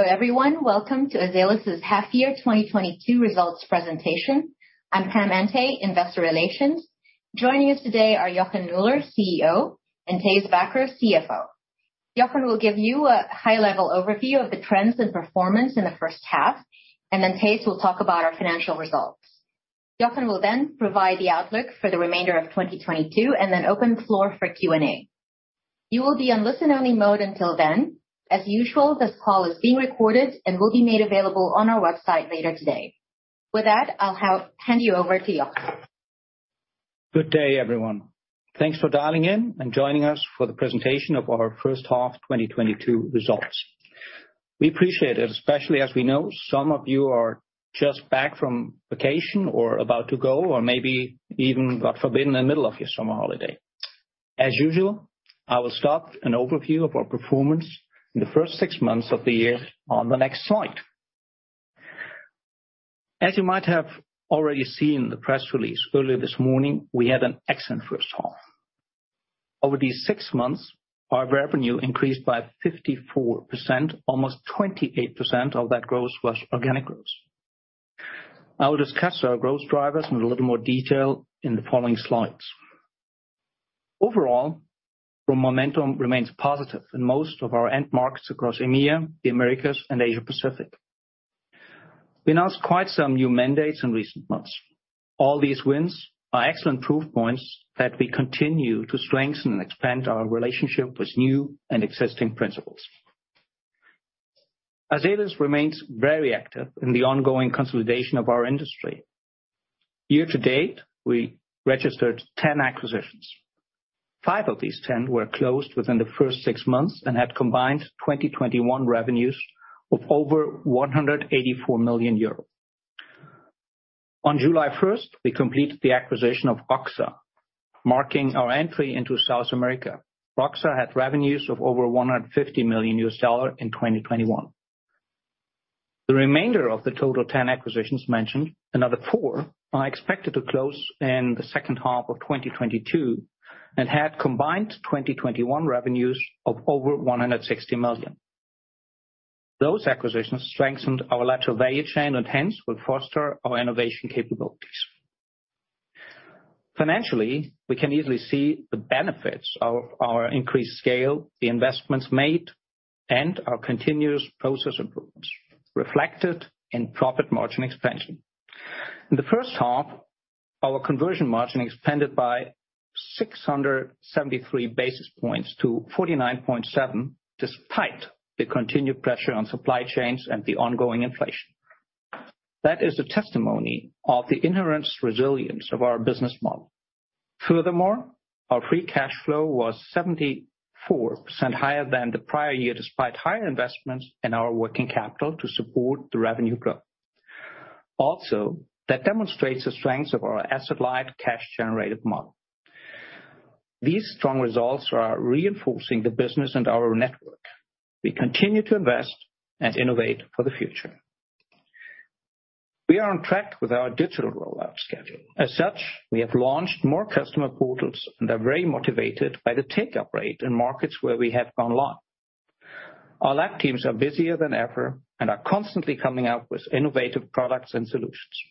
Hello, everyone. Welcome to Azelis' Half Year 2022 Results Presentation. I'm Pamela Antay, Investor Relations. Joining us today are Hans-Joachim Müller, CEO, and Thijs Bakker, CFO. Jochen will give you a high-level overview of the trends and performance in the first half, and then Thijs will talk about our financial results. Joachim will then provide the outlook for the remainder of 2022 and then open the floor for Q&A. You will be on listen-only mode until then. As usual, this call is being recorded and will be made available on our website later today. With that, I'll hand you over to Joachim. Good day, everyone. Thanks for dialing in and joining us for the presentation of our first half 2022 results. We appreciate it, especially as we know some of you are just back from vacation or about to go or maybe even, God forbid, in the middle of your summer holiday. As usual, I will start an overview of our performance in the first six months of the year on the next slide. As you might have already seen the press release earlier this morning, we had an excellent first half. Over these six months, our revenue increased by 54%, almost 28% of that growth was organic growth. I will discuss our growth drivers in a little more detail in the following slides. Overall, the momentum remains positive in most of our end markets across EMEA, the Americas, and Asia-Pacific. We announced quite some new mandates in recent months. All these wins are excellent proof points that we continue to strengthen and expand our relationship with new and existing principals. Azelis remains very active in the ongoing consolidation of our industry. Year to date, we registered 10 acquisitions. Five of these 10 were closed within the first six months and had combined 2021 revenues of over 184 million euros. On July first, we completed the acquisition of Voxa, marking our entry into South America. Voxa had revenues of over $150 million in 2021. The remainder of the total 10 acquisitions mentioned, another four, are expected to close in the second half of 2022 and had combined 2021 revenues of over 160 million. Those acquisitions strengthened our lateral value chain and hence will foster our innovation capabilities. Financially, we can easily see the benefits of our increased scale, the investments made, and our continuous process improvements reflected in profit margin expansion. In the first half, our conversion margin expanded by 673 basis points to 49.7%, despite the continued pressure on supply chains and the ongoing inflation. That is a testimony of the inherent resilience of our business model. Furthermore, our free cash flow was 74% higher than the prior year, despite higher investments in our working capital to support the revenue growth. Also, that demonstrates the strength of our asset-light cash generative model. These strong results are reinforcing the business and our network. We continue to invest and innovate for the future. We are on track with our digital rollout schedule. As such, we have launched more customer portals and are very motivated by the take-up rate in markets where we have gone live. Our lab teams are busier than ever and are constantly coming up with innovative products and solutions.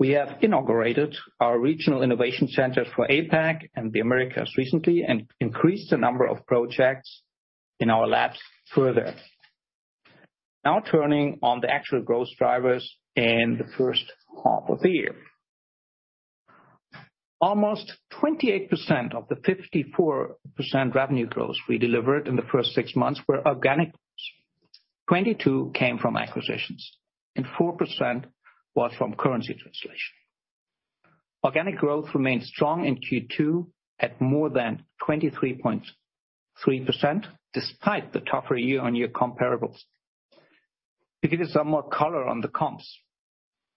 We have inaugurated our regional innovation centers for APAC and the Americas recently and increased the number of projects in our labs further. Now turning to the actual growth drivers in the first half of the year. Almost 28% of the 54% revenue growth we delivered in the first six months were organic. 22% came from acquisitions and 4% was from currency translation. Organic growth remains strong in Q2 at more than 23.3%, despite the tougher year-on-year comparables. To give you some more color on the comps,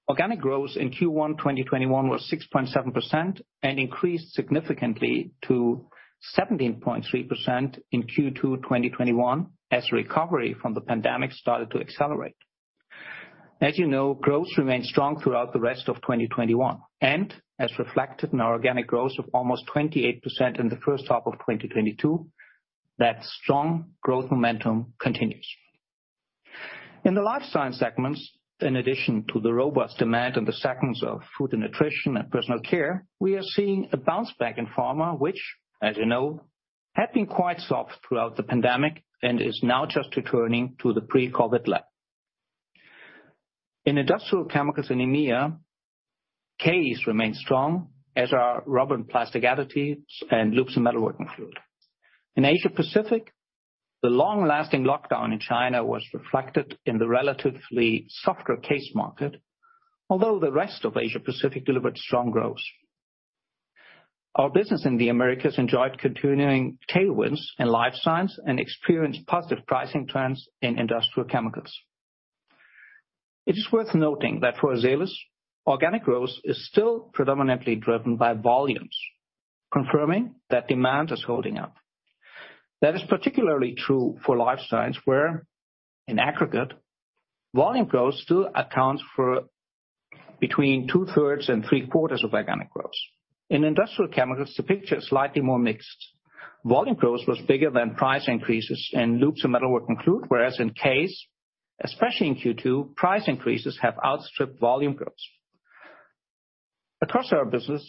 organic growth in Q1 2021 was 6.7% and increased significantly to 17.3% in Q2 2021 as recovery from the pandemic started to accelerate. As you know, growth remained strong throughout the rest of 2021, and as reflected in our organic growth of almost 28% in the first half of 2022, that strong growth momentum continues. In the life science segments, in addition to the robust demand in the segments of food and nutrition and personal care, we are seeing a bounce back in pharma, which, as you know, had been quite soft throughout the pandemic and is now just returning to the pre-COVID level. In industrial chemicals in EMEA, CASE remains strong, as are rubber and plastics additives and lubes and metalworking fluid. In Asia-Pacific, the long-lasting lockdown in China was reflected in the relatively softer CASE market, although the rest of Asia-Pacific delivered strong growth. Our business in the Americas enjoyed continuing tailwinds in Life Sciences and experienced positive pricing trends in Industrial Chemicals. It is worth noting that for Azelis, organic growth is still predominantly driven by volumes, confirming that demand is holding up. That is particularly true for Life Sciences, where in aggregate, volume growth still accounts for between two thirds and three quarters of organic growth. In Industrial Chemicals, the picture is slightly more mixed. Volume growth was bigger than price increases in lubes and metalworking fluids, whereas in CASE, especially in Q2, price increases have outstripped volume growth. Across our business,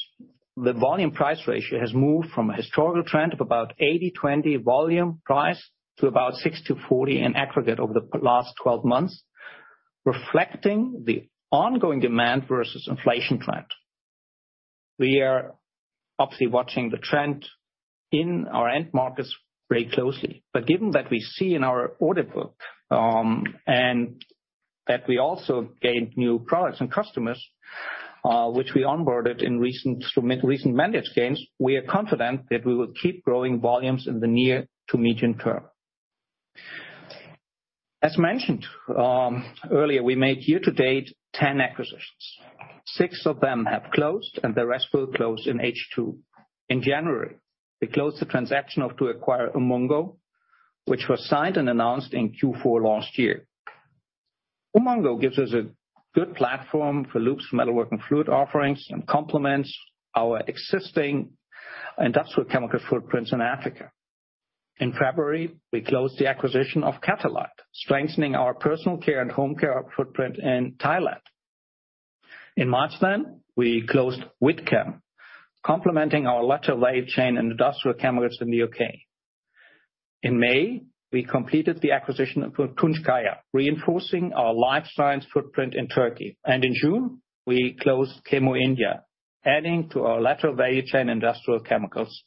the volume price ratio has moved from a historical trend of about 80/20 volume price to about 60/40 in aggregate over the past twelve months, reflecting the ongoing demand versus inflation trend. We are obviously watching the trend in our end markets very closely. Given that we see in our order book, and that we also gained new products and customers, which we onboarded in recent M&A gains, we are confident that we will keep growing volumes in the near to medium term. As mentioned, earlier, we made year-to-date 10 acquisitions. Six of them have closed, and the rest will close in H2. In January, we closed the transaction to acquire Umongo, which was signed and announced in Q4 last year. Umongo gives us a good platform for lubes, metal working fluids offerings and complements our existing industrial chemicals footprints in Africa. In February, we closed the acquisition of Catalite, strengthening our personal care and home care footprint in Thailand. In March, we closed WhitChem, complementing our lateral value chain and industrial chemicals in the U.K. In May, we completed the acquisition of Tunçkaya, reinforcing our Life Sciences footprint in Turkey. In June, we closed Chemo India, adding to our lateral value chain industrial chemicals.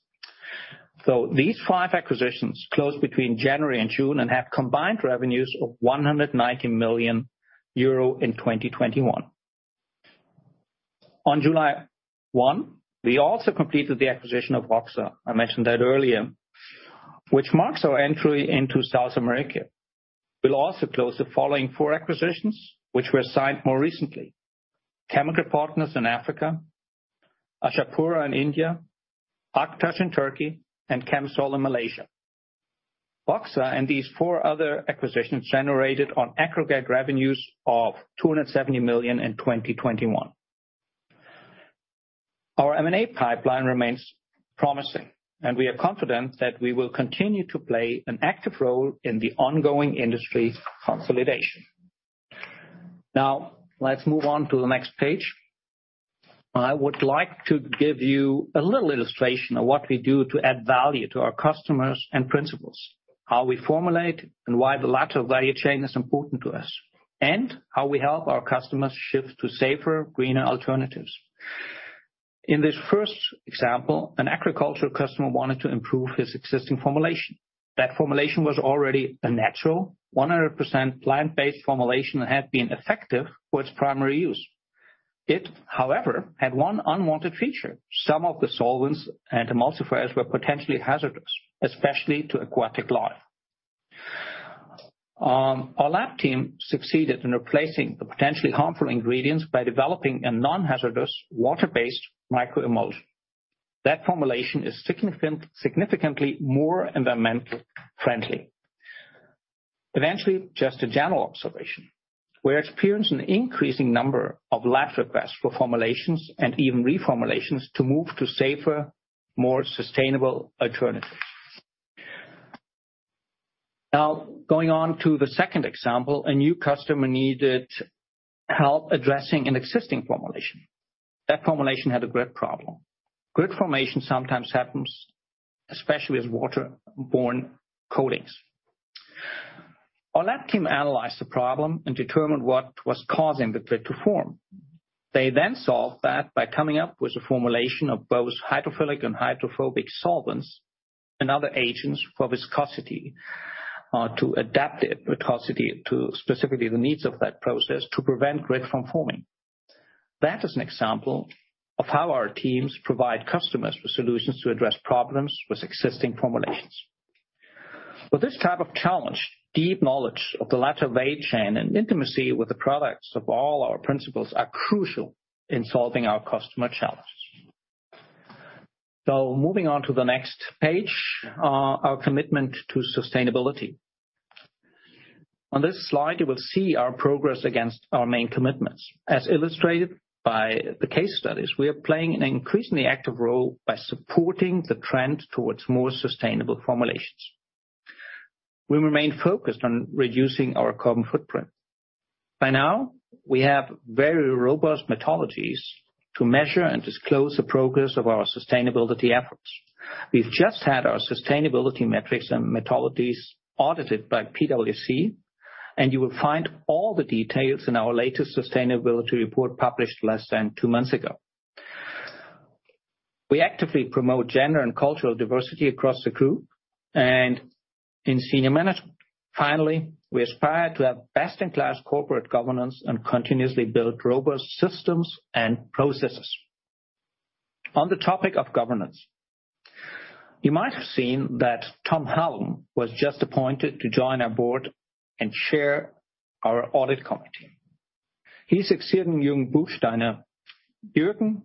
These five acquisitions closed between January and June and have combined revenues of 190 million euro in 2021. On July 1, we also completed the acquisition of Voxa, I mentioned that earlier, which marks our entry into South America. We'll also close the following four acquisitions, which were signed more recently. Chemical Partners in Africa, Ashapura in India, Aktaş in Turkey, and ChemSol in Malaysia. Voxa and these four other acquisitions generated on aggregate revenues of 270 million in 2021. Our M&A pipeline remains promising, and we are confident that we will continue to play an active role in the ongoing industry consolidation. Now, let's move on to the next page. I would like to give you a little illustration of what we do to add value to our customers and principals, how we formulate, and why the lateral value chain is important to us, and how we help our customers shift to safer, greener alternatives. In this first example, an agricultural customer wanted to improve his existing formulation. That formulation was already a natural, 100% plant-based formulation that had been effective for its primary use. It, however, had one unwanted feature. Some of the solvents and emulsifiers were potentially hazardous, especially to aquatic life. Our lab team succeeded in replacing the potentially harmful ingredients by developing a non-hazardous water-based microemulsion. That formulation is significantly more environmentally friendly. Eventually, just a general observation. We're experiencing an increasing number of lab requests for formulations and even reformulations to move to safer, more sustainable alternatives. Now, going on to the second example, a new customer needed help addressing an existing formulation. That formulation had a grit problem. Grit formation sometimes happens, especially with water-borne coatings. Our lab team analyzed the problem and determined what was causing the grit to form. They then solved that by coming up with a formulation of both hydrophilic and hydrophobic solvents and other agents for viscosity, to adapt the viscosity to specifically the needs of that process to prevent grit from forming. That is an example of how our teams provide customers with solutions to address problems with existing formulations. With this type of challenge, deep knowledge of the lateral value chain and intimacy with the products of all our principals are crucial in solving our customer challenge. Moving on to the next page, our commitment to sustainability. On this slide, you will see our progress against our main commitments. As illustrated by the case studies, we are playing an increasingly active role by supporting the trend towards more sustainable formulations. We remain focused on reducing our carbon footprint. By now, we have very robust methodologies to measure and disclose the progress of our sustainability efforts. We've just had our sustainability metrics and methodologies audited by PwC, and you will find all the details in our latest sustainability report published less than two months ago. We actively promote gender and cultural diversity across the group and in senior management. Finally, we aspire to have best-in-class corporate governance and continuously build robust systems and processes. On the topic of governance, you might have seen that Tom Hallam was just appointed to join our board and chair our audit committee. He succeeded Jürgen Buchsteiner. Jürgen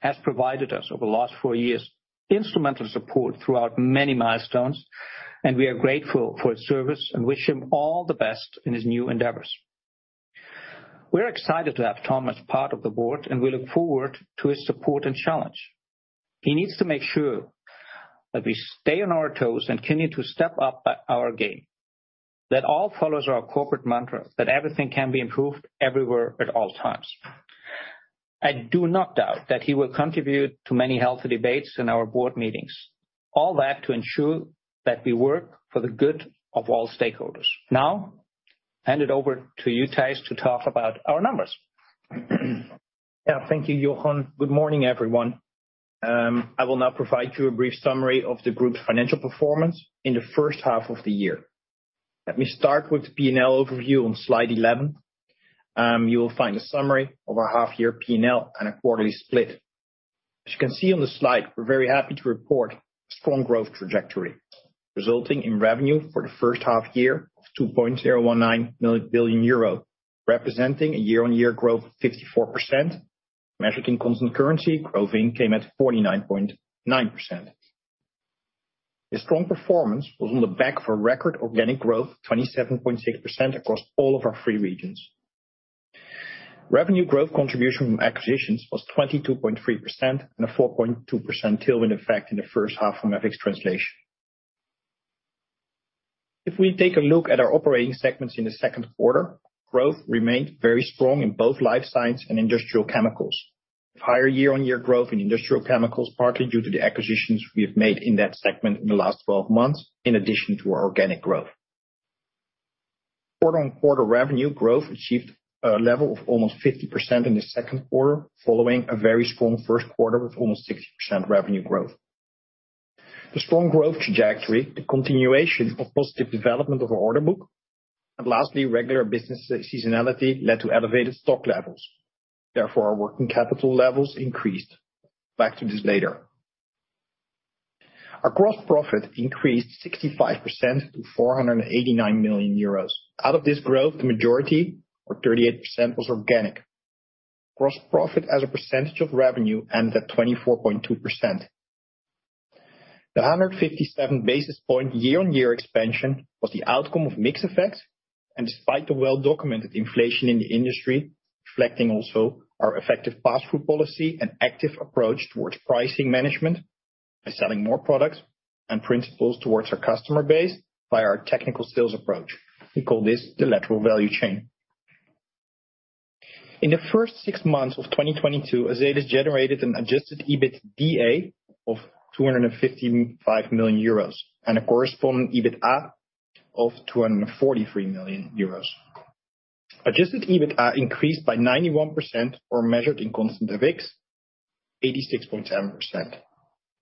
has provided us over the last four years instrumental support throughout many milestones, and we are grateful for his service and wish him all the best in his new endeavors. We're excited to have Tom as part of the board, and we look forward to his support and challenge. He needs to make sure that we stay on our toes and continue to step up our game. Let all follow our corporate mantra that everything can be improved everywhere at all times. I do not doubt that he will contribute to many healthy debates in our board meetings. All that to ensure that we work for the good of all stakeholders. Now, hand it over to you, Thijs, to talk about our numbers. Yeah, thank you, Hans-Joachim Müller. Good morning, everyone. I will now provide you a brief summary of the group's financial performance in the first half of the year. Let me start with the P&L overview on slide 11. You will find a summary of our half year P&L and a quarterly split. As you can see on the slide, we're very happy to report strong growth trajectory, resulting in revenue for the first half year of 2.019 billion euro, representing a year-on-year growth of 54%. Measured in constant currency, growth came at 49.9%. The strong performance was on the back of a record organic growth, 27.6% across all of our three regions. Revenue growth contribution from acquisitions was 22.3% and a 4.2% tailwind effect in the first half from FX translation. If we take a look at our operating segments in the second quarter, growth remained very strong in both Life Sciences and Industrial Chemicals. Higher year-on-year growth in Industrial Chemicals, partly due to the acquisitions we have made in that segment in the last 12 months, in addition to our organic growth. Quarter-on-quarter revenue growth achieved a level of almost 50% in the second quarter, following a very strong first quarter with almost 60% revenue growth. The strong growth trajectory, the continuation of positive development of our order book, and lastly, regular business seasonality led to elevated stock levels. Therefore, our working capital levels increased. Back to this later. Our gross profit increased 65%-EUR 489 million. Out of this growth, the majority or 38% was organic. Gross profit as a percentage of revenue ended at 24.2%. The 157 basis point year-on-year expansion was the outcome of mix effects and despite the well-documented inflation in the industry, reflecting also our effective pass-through policy and active approach towards pricing management by selling more products and principals towards our customer base by our technical sales approach. We call this the lateral value chain. In the first six months of 2022, Azelis generated an Adjusted EBITA of 255 million euros and a corresponding EBITDA of 243 million euros. Adjusted EBITDA increased by 91% or measured in constant FX, 86.10%.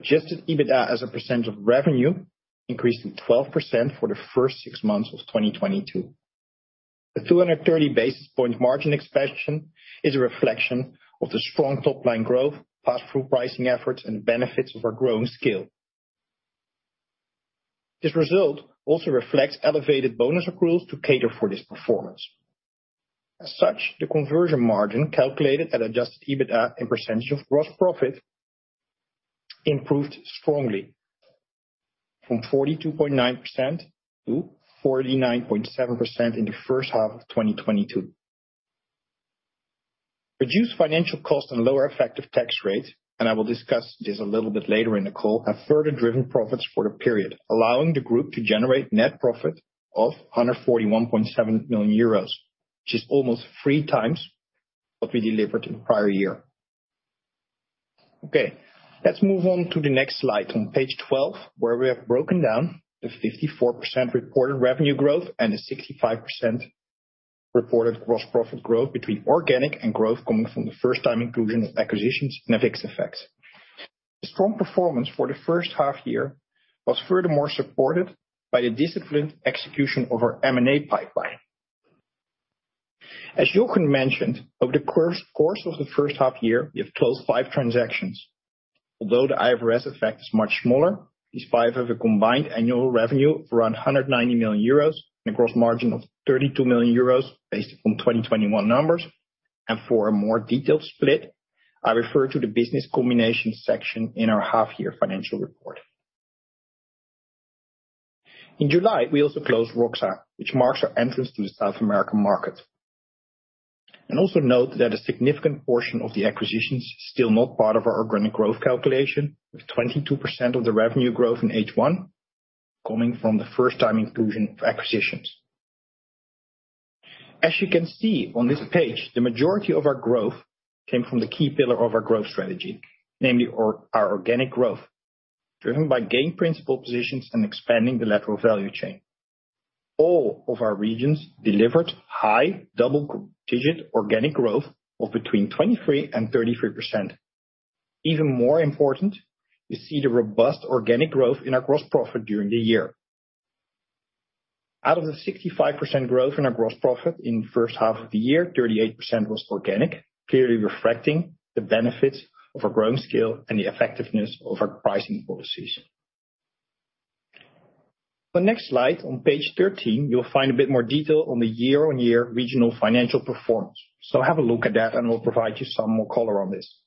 Adjusted EBITDA as a percent of revenue increased to 12% for the first six months of 2022. The 230 basis point margin expansion is a reflection of the strong top line growth, pass-through pricing efforts, and benefits of our growing scale. This result also reflects elevated bonus accruals to cater for this performance. As such, the conversion margin calculated at Adjusted EBITA in percentage of gross profit improved strongly from 42.9%-49.7% in the first half of 2022. Reduced financial cost and lower effective tax rates, and I will discuss this a little bit later in the call, have further driven profits for the period, allowing the group to generate net profit of 141.7 million euros, which is almost 3x what we delivered in prior year. Okay. Let's move on to the next slide on page 12, where we have broken down the 54% reported revenue growth and the 65% reported gross profit growth between organic and growth coming from the first time inclusion of acquisitions and FX effects. The strong performance for the first half year was furthermore supported by the disciplined execution of our M&A pipeline. As Jochen mentioned, over the course of the first half year, we have closed five transactions. Although the IFRS effect is much smaller, these five have a combined annual revenue of around 190 million euros and a gross margin of 32 million euros based on 2021 numbers. For a more detailed split, I refer to the business combination section in our half year financial report. In July, we also closed Voxa, which marks our entrance to the South American market. Also note that a significant portion of the acquisition's still not part of our organic growth calculation, with 22% of the revenue growth in H1 coming from the first time inclusion of acquisitions. As you can see on this page, the majority of our growth came from the key pillar of our growth strategy, namely, our organic growth, driven by gaining principal positions and expanding the lateral value chain. All of our regions delivered high double-digit organic growth of between 23% and 33%. Even more important, you see the robust organic growth in our gross profit during the year. Out of the 65% growth in our gross profit in the first half of the year, 38% was organic, clearly reflecting the benefits of our growing scale and the effectiveness of our pricing policies. The next slide on page 13, you'll find a bit more detail on the year-on-year regional financial performance. Have a look at that, and we'll provide you some more color on this.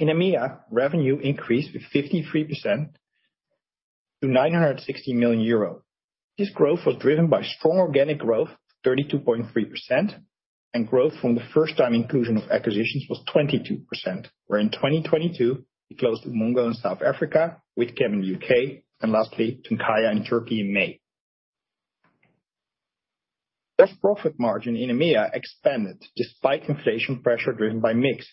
In EMEA, revenue increased 53%-EUR 960 million. This growth was driven by strong organic growth, 32.3%, and growth from the first time inclusion of acquisitions was 22%. Where in 2022, we closed Umongo in South Africa, WhitChem in U.K., and lastly, Tunçkaya in Turkey in May. Gross profit margin in EMEA expanded despite inflation pressure driven by mix.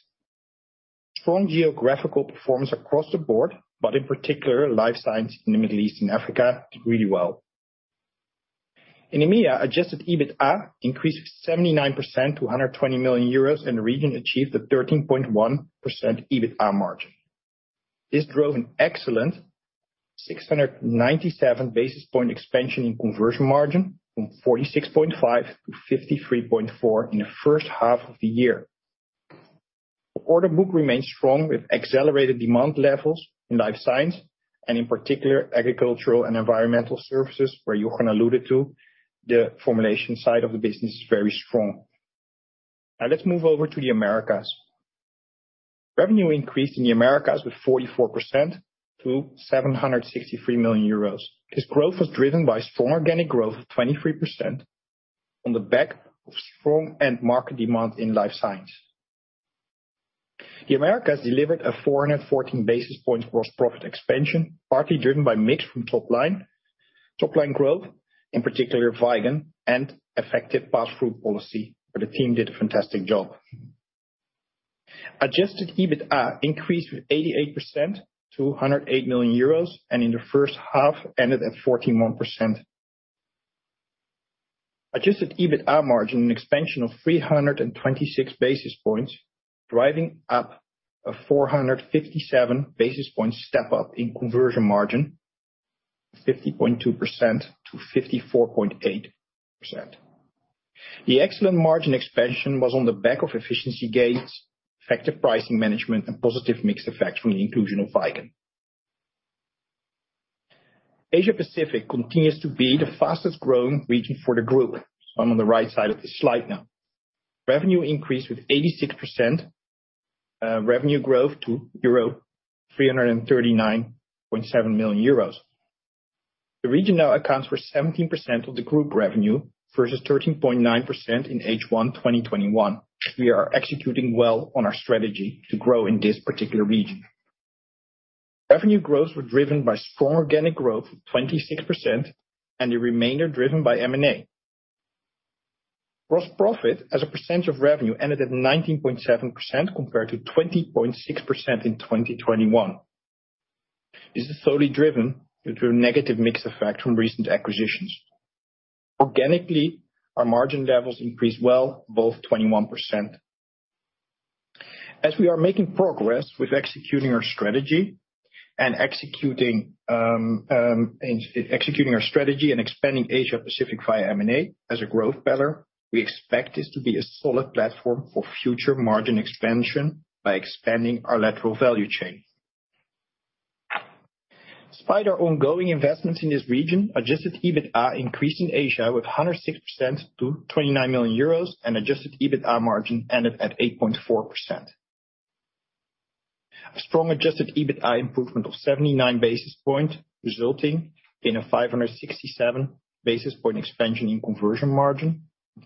Strong geographical performance across the board, but in particular, Life Sciences in the Middle East and Africa did really well. In EMEA, Adjusted EBITA increased 79%-EUR 120 million, and the region achieved a 13.1% EBITDA margin. This drove an excellent 697 basis points expansion in conversion margin from 46.5%-53.4% in the first half of the year. Order book remains strong with accelerated demand levels in Life Sciences and in particular, Agricultural & Environmental Solutions, where Joachim alluded to. The formulation side of the business is very strong. Now let's move over to the Americas. Revenue increased in the Americas with 44%-EUR 763 million. This growth was driven by strong organic growth of 23% on the back of strong end market demand in Life Sciences. The Americas delivered a 414 basis points gross profit expansion, partly driven by mix from top line, top line growth, in particular Vigon, and effective passthrough policy, where the team did a fantastic job. Adjusted EBITDA increased with 88%-EUR 108 million, and in the first half, ended at 14.1%. Adjusted EBITDA margin, an expansion of 326 basis points, driving up a 457 basis points step-up in conversion margin from 50.2%-54.8%. The excellent margin expansion was on the back of efficiency gains, effective pricing management, and positive mix effects from the inclusion of Vigon. Asia Pacific continues to be the fastest growing region for the group. I'm on the right side of this slide now. Revenue increased with 86% revenue growth to 339.7 million euros. The regional accounts were 17% of the group revenue versus 13.9% in H1 2021. We are executing well on our strategy to grow in this particular region. Revenue growths were driven by strong organic growth of 26%, and the remainder driven by M&A. Gross profit as a percentage of revenue ended at 19.7% compared to 20.6% in 2021. This is solely driven due to a negative mix effect from recent acquisitions. Organically, our margin levels increased well above 21%. As we are making progress with executing our strategy and expanding Asia Pacific via M&A as a growth pillar, we expect this to be a solid platform for future margin expansion by expanding our lateral value chain. Despite our ongoing investments in this region, Adjusted EBITA increased in Asia with 106%-EUR 29 million, and Adjusted EBITA margin ended at 8.4%. A strong Adjusted EBITA improvement of 79 basis points, resulting in a 567 basis point expansion in conversion margin,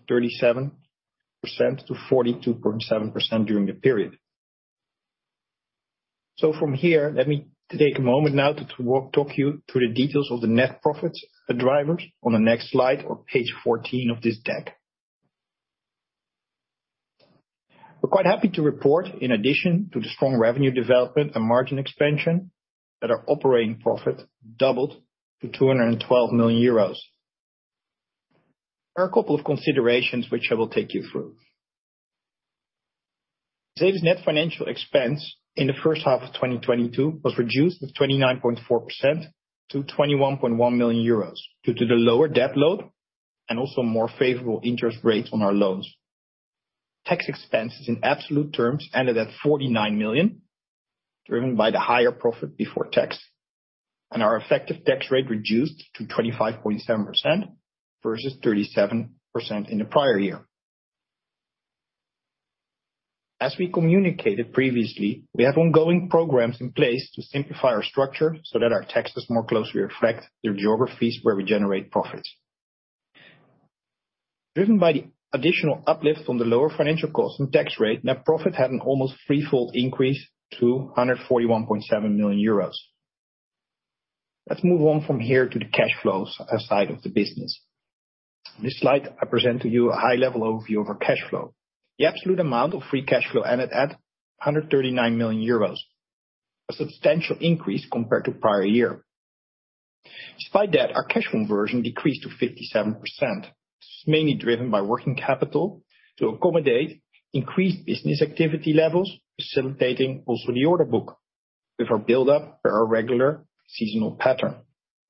from 37%-42.7% during the period. From here, let me take a moment now to talk you through the details of the net profits, the drivers on the next slide or page 14 of this deck. We're quite happy to report, in addition to the strong revenue development and margin expansion, that our operating profit doubled to 212 million euros. There are a couple of considerations which I will take you through. Azelis' net financial expense in the first half of 2022 was reduced from 29.4 million-21.1 million euros due to the lower debt load and also more favorable interest rates on our loans. Tax expenses in absolute terms ended at 49 million, driven by the higher profit before tax, and our effective tax rate reduced to 25.7% versus 37% in the prior year. As we communicated previously, we have ongoing programs in place to simplify our structure so that our taxes more closely reflect the geographies where we generate profits. Driven by the additional uplift from the lower financial cost and tax rate, net profit had an almost threefold increase to 141.7 million euros. Let's move on from here to the cash flows side of the business. On this slide, I present to you a high-level overview of our cash flow. The absolute amount of free cash flow ended at 139 million euros, a substantial increase compared to prior year. Despite that, our cash conversion decreased to 57%. This is mainly driven by working capital to accommodate increased business activity levels, facilitating also the order book with our buildup per our regular seasonal pattern.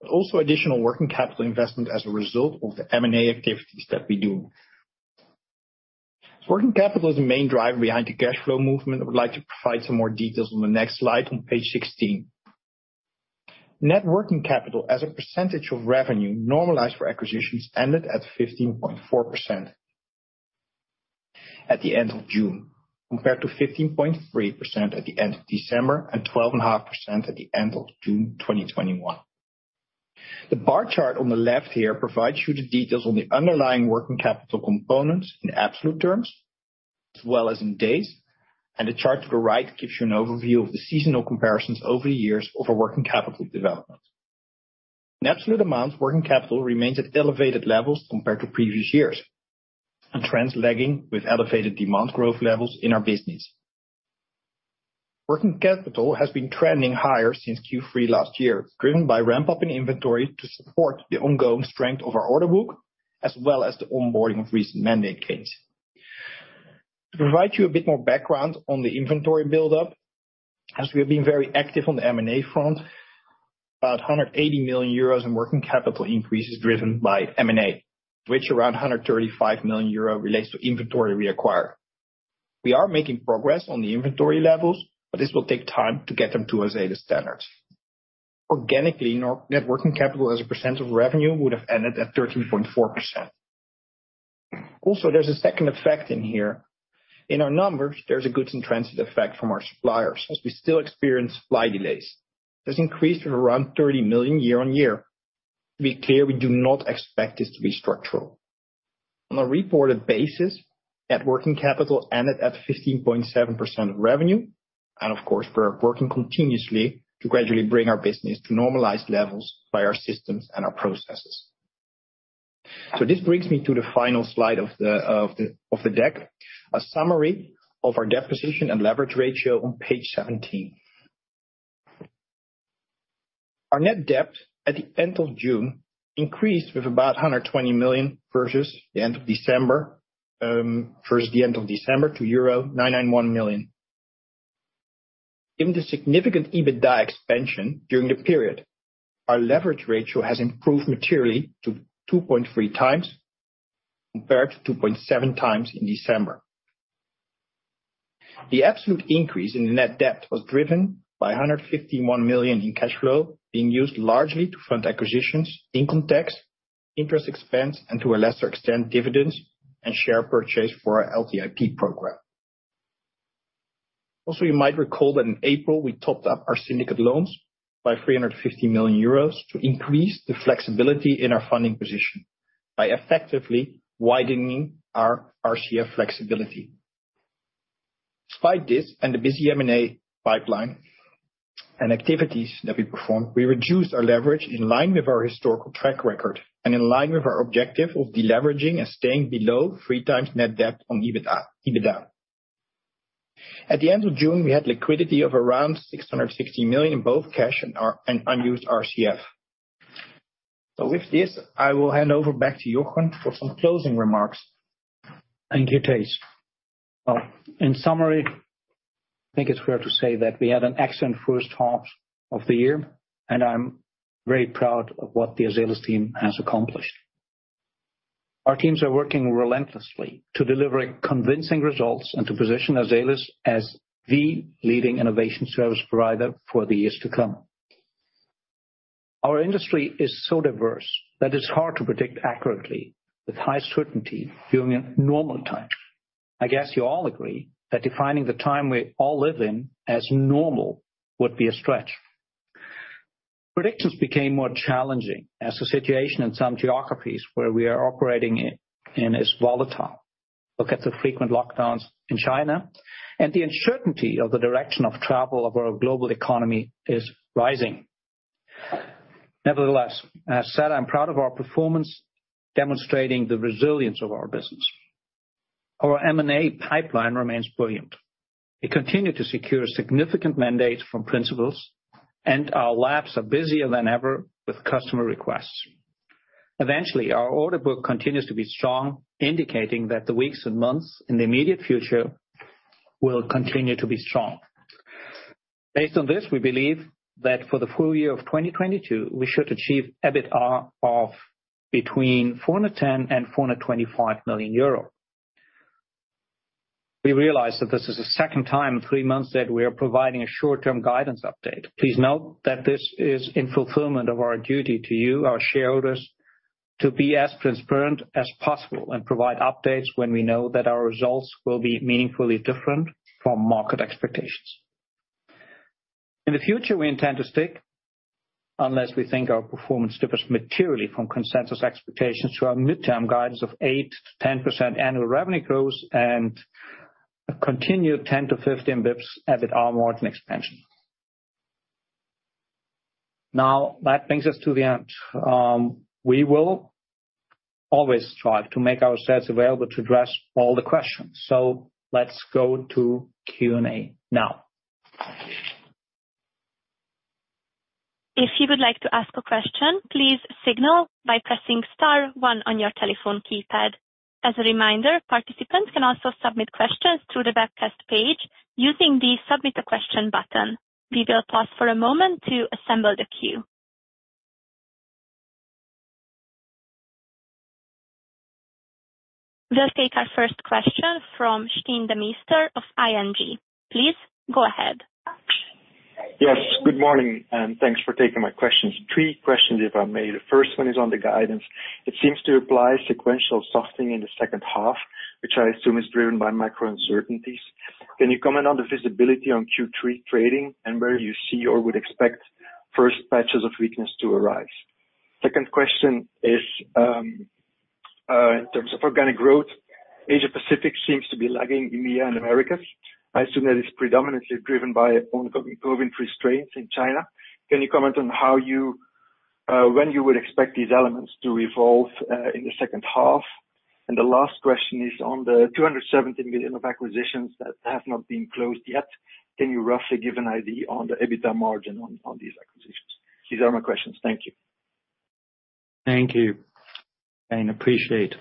Also additional working capital investment as a result of the M&A activities that we do. Working capital is the main driver behind the cash flow movement. I would like to provide some more details on the next slide on page 16. Net working capital as a percentage of revenue normalized for acquisitions ended at 15.4% at the end of June, compared to 15.3% at the end of December and 12.5% at the end of June 2021. The bar chart on the left here provides you the details on the underlying working capital components in absolute terms, as well as in days, and the chart to the right gives you an overview of the seasonal comparisons over the years of a working capital development. In absolute amounts, working capital remains at elevated levels compared to previous years, and trends lagging with elevated demand growth levels in our business. Working capital has been trending higher since Q3 last year, driven by ramp-up in inventory to support the ongoing strength of our order book, as well as the onboarding of recent mandate gains. To provide you a bit more background on the inventory buildup, as we have been very active on the M&A front, about 180 million euros in working capital increase is driven by M&A, which around 135 million euro relates to inventory acquired. We are making progress on the inventory levels, but this will take time to get them to Azelis standards. Organically, net working capital as a percent of revenue would have ended at 13.4%. Also, there's a second effect in here. In our numbers, there's a goods and transit effect from our suppliers, as we still experience supply delays. This increased to around 30 million year-over-year. To be clear, we do not expect this to be structural. On a reported basis, net working capital ended at 15.7% of revenue, and of course, we're working continuously to gradually bring our business to normalized levels by our systems and our processes. This brings me to the final slide of the deck, a summary of our debt position and leverage ratio on page 17. Our net debt at the end of June increased with about 120 million versus the end of December to euro 991 million. Given the significant EBITDA expansion during the period, our leverage ratio has improved materially to 2.3 times compared to 2.7 times in December. The absolute increase in net debt was driven by 151 million in cash flow being used largely to fund acquisitions, income tax, interest expense, and to a lesser extent, dividends and share purchase for our LTIP program. Also, you might recall that in April, we topped up our syndicated loans by 350 million euros to increase the flexibility in our funding position by effectively widening our RCF flexibility. Despite this and the busy M&A pipeline and activities that we performed, we reduced our leverage in line with our historical track record and in line with our objective of deleveraging and staying below three times net debt on EBITDA. At the end of June, we had liquidity of around 660 million in both cash and unused RCF. With this, I will hand over back to Joachim for some closing remarks. Thank you, Thijs. Well, in summary, I think it's fair to say that we had an excellent first half of the year, and I'm very proud of what the Azelis team has accomplished. Our teams are working relentlessly to deliver convincing results and to position Azelis as the leading innovation service provider for the years to come. Our industry is so diverse that it's hard to predict accurately with high certainty during a normal time. I guess you all agree that defining the time we all live in as normal would be a stretch. Predictions became more challenging as the situation in some geographies where we are operating in is volatile. Look at the frequent lockdowns in China, and the uncertainty of the direction of travel of our global economy is rising. Nevertheless, as said, I'm proud of our performance, demonstrating the resilience of our business. Our M&A pipeline remains brilliant. We continue to secure significant mandates from principals, and our labs are busier than ever with customer requests. Eventually, our order book continues to be strong, indicating that the weeks and months in the immediate future will continue to be strong. Based on this, we believe that for the full year of 2022, we should achieve EBITA of between 410 million and 425 million euro. We realize that this is the second time in three months that we are providing a short-term guidance update. Please note that this is in fulfillment of our duty to you, our shareholders, to be as transparent as possible and provide updates when we know that our results will be meaningfully different from market expectations. In the future, we intend to stick, unless we think our performance differs materially from consensus expectations, to our midterm guidance of 8%-10% annual revenue growth and a continued 10-15 BPS EBITA margin expansion. Now, that brings us to the end. We will always strive to make ourselves available to address all the questions. Let's go to Q&A now. If you would like to ask a question, please signal by pressing star one on your telephone keypad. As a reminder, participants can also submit questions through the webcast page using the Submit a Question button. We will pause for a moment to assemble the queue. We'll take our first question from Stijn Demeester of ING. Please go ahead. Yes, good morning, and thanks for taking my questions. Three questions, if I may. The first one is on the guidance. It seems to apply sequential softening in the second half, which I assume is driven by macro uncertainties. Can you comment on the visibility on Q3 trading and where you see or would expect first pockets of weakness to arise? Second question is, in terms of organic growth, Asia-Pacific seems to be lagging EMEA and Americas. I assume that is predominantly driven by ongoing COVID restrictions in China. Can you comment on how and when you would expect these elements to resolve, in the second half? The last question is on the 217 million of acquisitions that have not been closed yet. Can you roughly give an idea on the EBITDA margin on these acquisitions? These are my questions. Thank you. Thank you. I appreciate.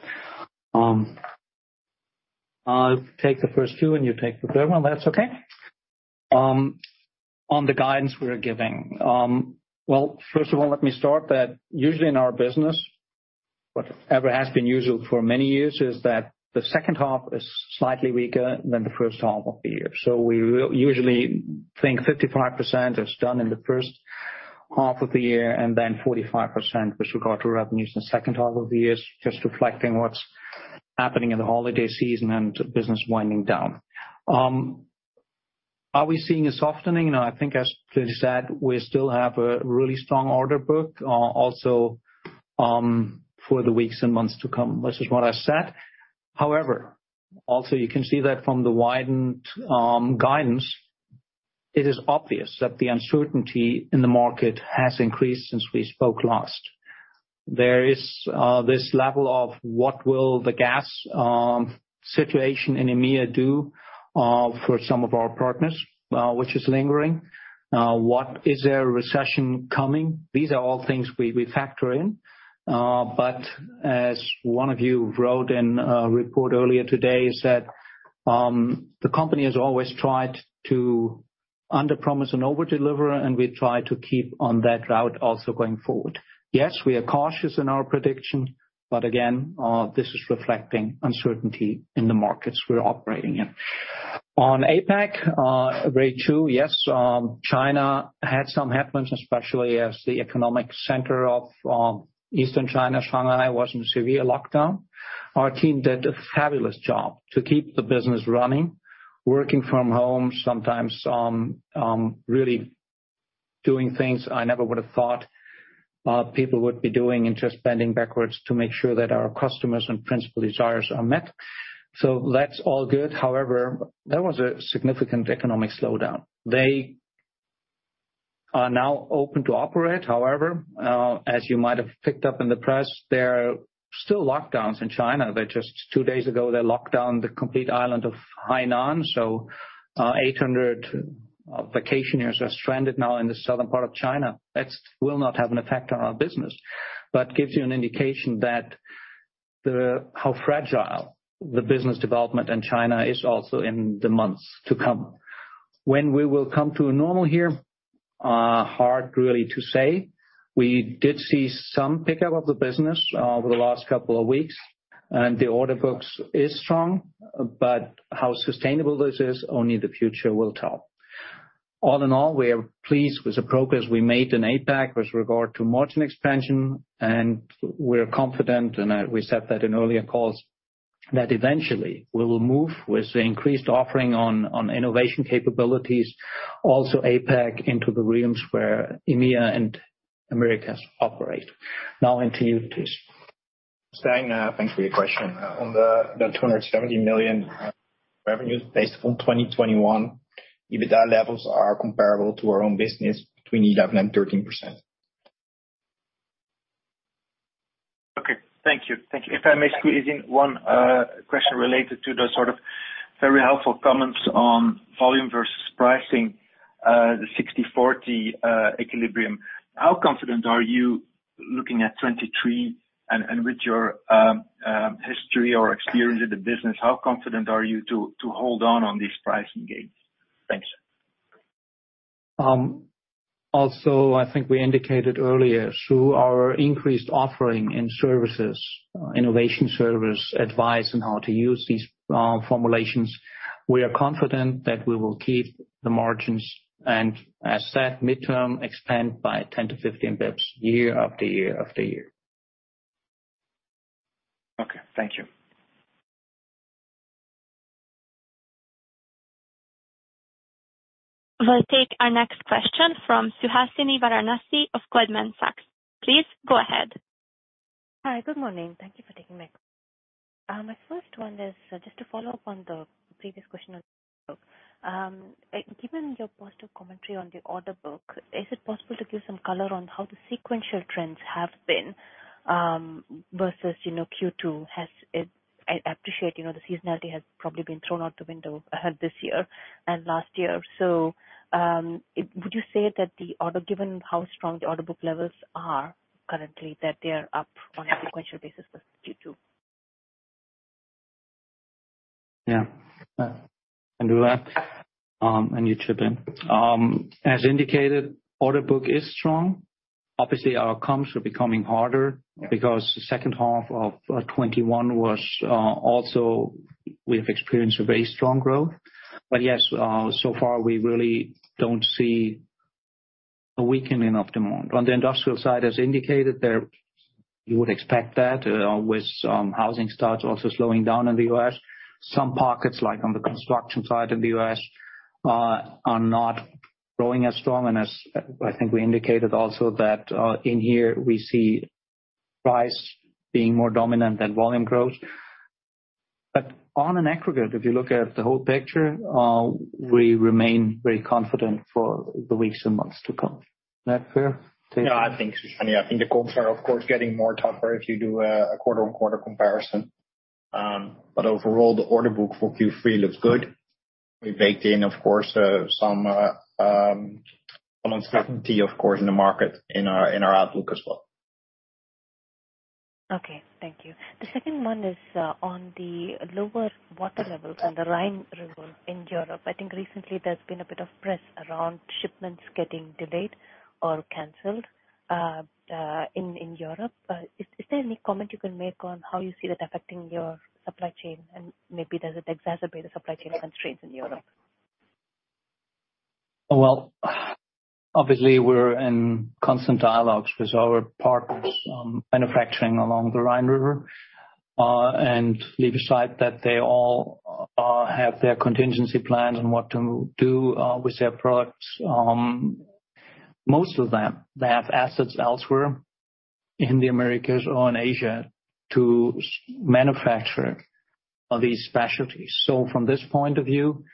I'll take the first two, and you take the third one, if that's okay. On the guidance we are giving. Well, first of all, let me start that usually in our business, whatever has been usual for many years is that the second half is slightly weaker than the first half of the year. We will usually think 55% is done in the first half of the year and then 45% with regard to revenues in the second half of the years, just reflecting what's happening in the holiday season and business winding down. Are we seeing a softening? No, I think as clearly said, we still have a really strong order book, also, for the weeks and months to come. This is what I said. However, also you can see that from the widened guidance, it is obvious that the uncertainty in the market has increased since we spoke last. There is this level of what will the gas situation in EMEA do for some of our partners, which is lingering. What is their recession coming? These are all things we factor in. But as one of you wrote in a report earlier today, is that the company has always tried to under promise and over deliver, and we try to keep on that route also going forward. Yes, we are cautious in our prediction, but again, this is reflecting uncertainty in the markets we're operating in. On APAC, very true, yes, China had some headwinds, especially as the economic center of Eastern China, Shanghai, was in severe lockdown. Our team did a fabulous job to keep the business running, working from home, sometimes, really doing things I never would have thought, people would be doing and just bending backwards to make sure that our customers and principal desires are met. That's all good. However, there was a significant economic slowdown. They are now open to operate. However, as you might have picked up in the press, there are still lockdowns in China. They just two days ago locked down the complete island of Hainan. 800 vacationers are stranded now in the southern part of China. That will not have an effect on our business, but gives you an indication that the, how fragile the business development in China is also in the months to come. When we will come to a normal here, hard really to say. We did see some pickup of the business over the last couple of weeks, and the order books is strong. How sustainable this is, only the future will tell. All in all, we are pleased with the progress we made in APAC with regard to margin expansion, and we're confident, and we said that in earlier calls, that eventually we will move with the increased offering on innovation capabilities, also APAC into the realms where EMEA and Americas operate. Now on to you, Thijs. Stijn, thanks for your question. On the 270 million revenues based on 2021, EBITDA levels are comparable to our own business between 11%-13%. Okay. Thank you. If I may squeeze in one question related to the sort of very helpful comments on volume versus pricing, the 60/40 equilibrium. How confident are you looking at 2023 and with your history or experience in the business, how confident are you to hold on these pricing gains? Thanks. Also, I think we indicated earlier through our increased offering in services, innovation service, advice on how to use these formulations, we are confident that we will keep the margins and, as said, midterm expand by 10-15 BPS year after year after year. Okay. Thank you. We'll take our next question from Suhasini Varanasi of Goldman Sachs. Please go ahead. Hi. Good morning. Thank you for taking my call. My first one is just to follow up on the previous question on the order book. Given your positive commentary on the order book, is it possible to give some color on how the sequential trends have been, versus, you know, Q2? I appreciate, you know, the seasonality has probably been thrown out the window, this year and last year. Would you say that given how strong the order book levels are currently, that they are up on a sequential basis versus Q2? Yeah. Can do that. You chip in. As indicated, order book is strong. Obviously, our comps are becoming harder because the second half of 2021 was also we've experienced a very strong growth. Yes, so far we really don't see a weakening of demand. On the industrial side, as indicated there, you would expect that with housing starts also slowing down in the U.S. Some pockets, like on the construction side of the U.S., are not growing as strong. As I think we indicated also that in here we see price being more dominant than volume growth. On an aggregate, if you look at the whole picture, we remain very confident for the weeks and months to come. Is that fair, Thijs? No, I think so, Suhasini. I think the comps are, of course, getting more tougher if you do a quarter-on-quarter comparison. Overall, the order book for Q3 looks good. We baked in, of course, some uncertainty, of course, in the market in our outlook as well. Okay. Thank you. The second one is on the lower water levels on the Rhine River in Europe. I think recently there's been a bit of press around shipments getting delayed or canceled in Europe. Is there any comment you can make on how you see that affecting your supply chain? Maybe does it exacerbate the supply chain constraints in Europe? Well, obviously, we're in constant dialogues with our partners on manufacturing along the Rhine River. Leave aside that they all have their contingency plans on what to do with their products. Most of them, they have assets elsewhere in the Americas or in Asia to manufacture these specialties. From this point of view,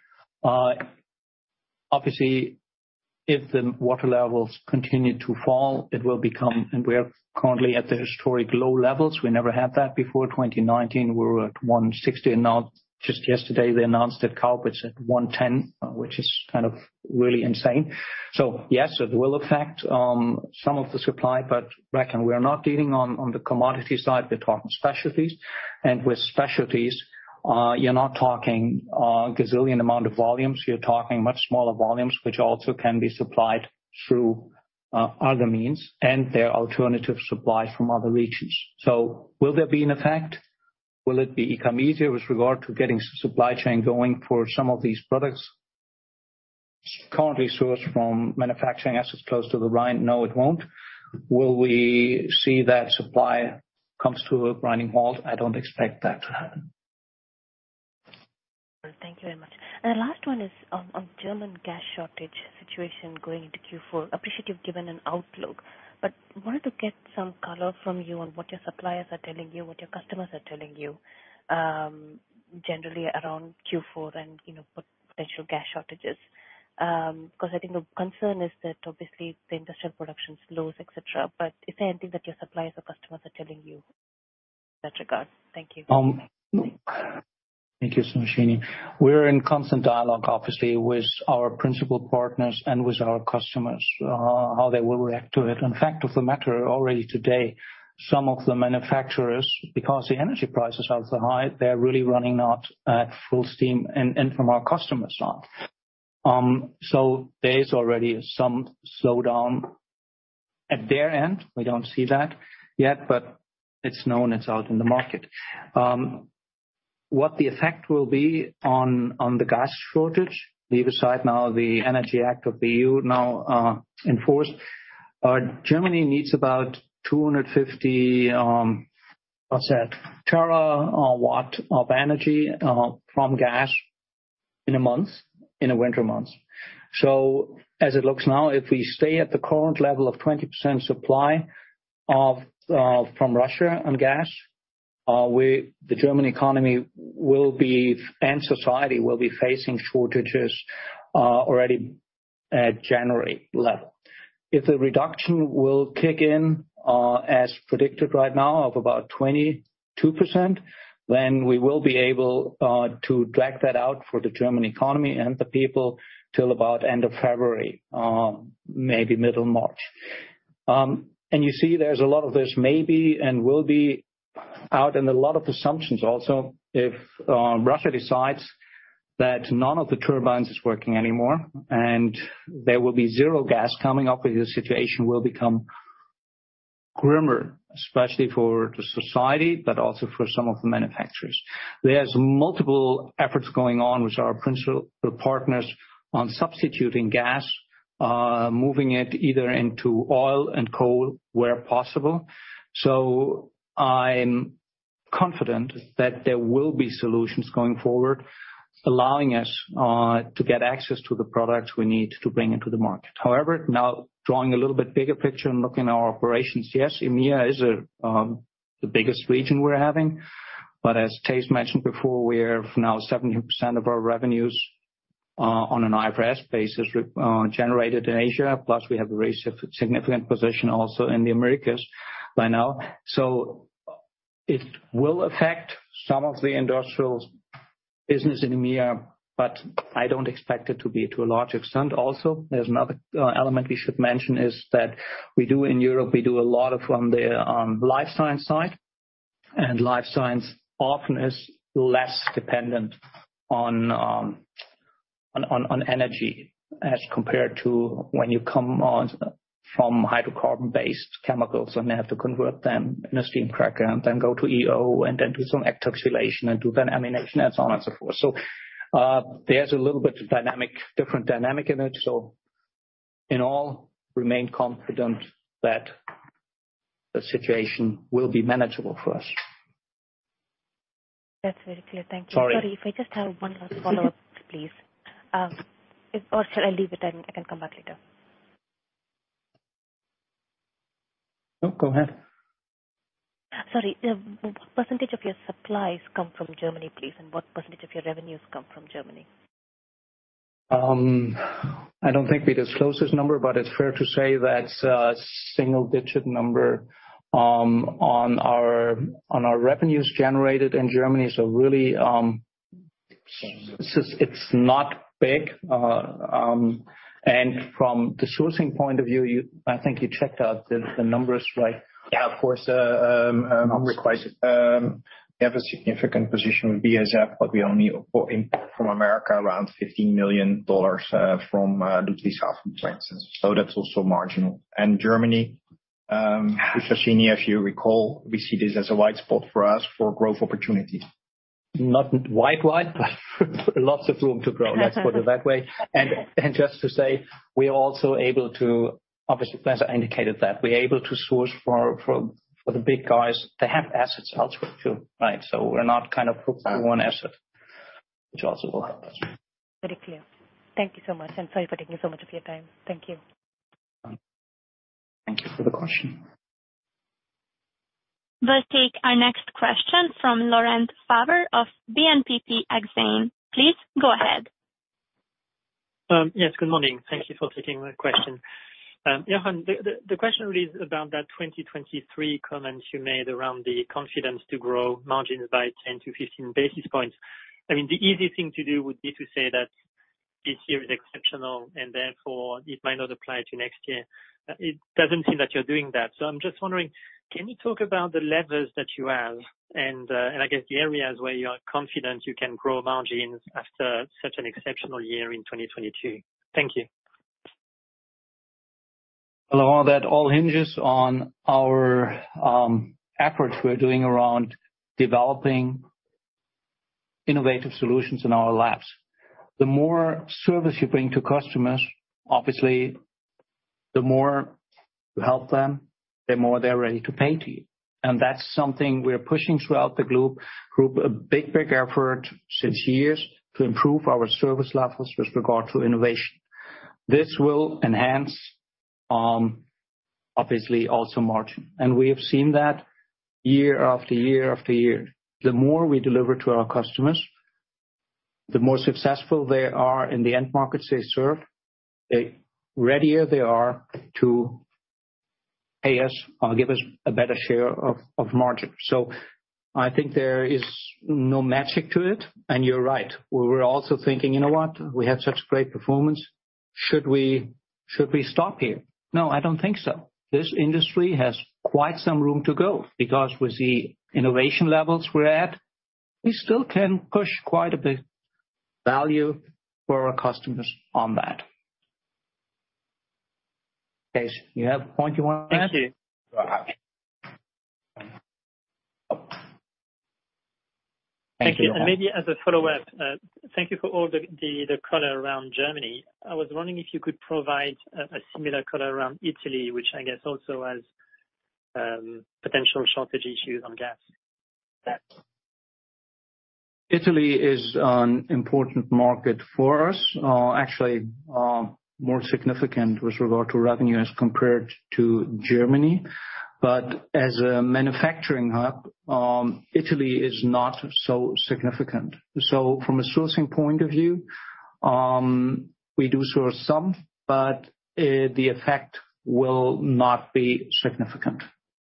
obviously, if the water levels continue to fall, it will become. We're currently at the historic low levels. We never had that before. 2019, we were at 160. Now just yesterday they announced that Koblenz at 110, which is kind of really insane. Yes, it will affect some of the supply, but reckon we are not dealing on the commodity side. We're talking specialties. With specialties, you're not talking gazillion amount of volumes. You're talking much smaller volumes, which also can be supplied through other means and their alternative supply from other regions. Will there be an effect? Will it become easier with regard to getting supply chain going for some of these products currently sourced from manufacturing assets close to the Rhine? No, it won't. Will we see that supply comes to a grinding halt? I don't expect that to happen. Thank you very much. The last one is on German gas shortage situation going into Q4. Appreciate you've given an outlook, but wanted to get some color from you on what your suppliers are telling you, what your customers are telling you, generally around Q4 and, you know, potential gas shortages. 'Cause I think the concern is that obviously the industrial production slows, etc. Is there anything that your suppliers or customers are telling you in that regard? Thank you. Thank you, Suhasini. We're in constant dialogue, obviously, with our principal partners and with our customers, how they will react to it. Fact of the matter, already today, some of the manufacturers, because the energy prices are so high, they're really running at full steam and from our customers' side. There is already some slowdown at their end. We don't see that yet, but it's known, it's out in the market. What the effect will be on the gas shortage, leave aside the EU Energy Act, now in force. Germany needs about 250 terawatt of energy from gas in a month, in the winter months. As it looks now, if we stay at the current level of 20% supply of from Russia on gas, the German economy and society will be facing shortages already at January level. If the reduction will kick in as predicted right now of about 22%, then we will be able to drag that out for the German economy and the people till about end of February, maybe middle March. You see there's a lot of this maybe and will be out and a lot of assumptions also. If Russia decides that none of the turbines is working anymore and there will be zero gas coming up, the situation will become grimmer, especially for the society, but also for some of the manufacturers. There's multiple efforts going on with our principal partners on substituting gas, moving it either into oil and coal where possible. I'm confident that there will be solutions going forward, allowing us to get access to the products we need to bring into the market. However, now drawing a little bit bigger picture and looking at our operations, yes, EMEA is the biggest region we're having. As Thijs mentioned before, we're now 70% of our revenues on an IFRS basis generated in Asia, plus we have a very significant position also in the Americas by now. It will affect some of the industrials business in EMEA. I don't expect it to be a large extent. Also, there's another element we should mention is that we do in Europe a lot of from the Life Sciences side. Life Sciences often is less dependent on energy as compared to when you come from hydrocarbon-based chemicals and they have to convert them in a steam cracker and then go to EO and then do some epoxidation and then amination and so on and so forth. There's a little bit different dynamic in it. In all, remain confident that the situation will be manageable for us. That's very clear. Thank you. Sorry. Sorry, if I just have one last follow-up, please. Should I leave it and I can come back later? No, go ahead. Sorry. What percentage of your supplies come from Germany, please? What percentage of your revenues come from Germany? I don't think we disclose this number, but it's fair to say that it's a single-digit number on our revenues generated in Germany. Really, it's not big. From the sourcing point of view, I think you checked out the numbers, right? Yeah, of course. Not requested. We have a significant position with BASF, but we only import from America around $15 million from Düsseldorf, for instance. That's also marginal. Germany, with Suhasini, if you recall, we see this as a white space for us for growth opportunities. Not wide, but lots of room to grow. Let's put it that way. Just to say, obviously, as I indicated that, we're able to source for the big guys to have assets elsewhere too, right? We're not kind of hooked on one asset, which also will help us. Very clear. Thank you so much, and sorry for taking so much of your time. Thank you. Thank you for the question. We'll take our next question from Laurent Favre of BNP Paribas Exane. Please go ahead. Yes, good morning. Thank you for taking my question. Jochen, the question really is about that 2023 comment you made around the confidence to grow margins by 10-15 basis points. I mean, the easy thing to do would be to say that this year is exceptional, and therefore it might not apply to next year. It doesn't seem that you're doing that. I'm just wondering, can you talk about the levers that you have and I guess the areas where you are confident you can grow margins after such an exceptional year in 2022? Thank you. Well, Laurent, that all hinges on our efforts we're doing around developing innovative solutions in our labs. The more service you bring to customers, obviously the more you help them, the more they're ready to pay to you. That's something we're pushing throughout the group, a big effort for years to improve our service levels with regard to innovation. This will enhance obviously also margin. We have seen that year after year after year. The more we deliver to our customers, the more successful they are in the end markets they serve, the readier they are to pay us or give us a better share of margin. I think there is no magic to it. You're right. We're also thinking, "You know what? We had such great performance. Should we stop here?" No, I don't think so. This industry has quite some room to go because with the innovation levels we're at, we still can push quite a bit value for our customers on that. Case, you have a point you wanna add? Thank you. Go ahead. Thank you, Laurent. Thank you. Maybe as a follow-up, thank you for all the color around Germany. I was wondering if you could provide a similar color around Italy, which I guess also has potential shortage issues on gas. Italy is an important market for us. Actually, more significant with regard to revenue as compared to Germany. As a manufacturing hub, Italy is not so significant. From a sourcing point of view, we do source some, but the effect will not be significant.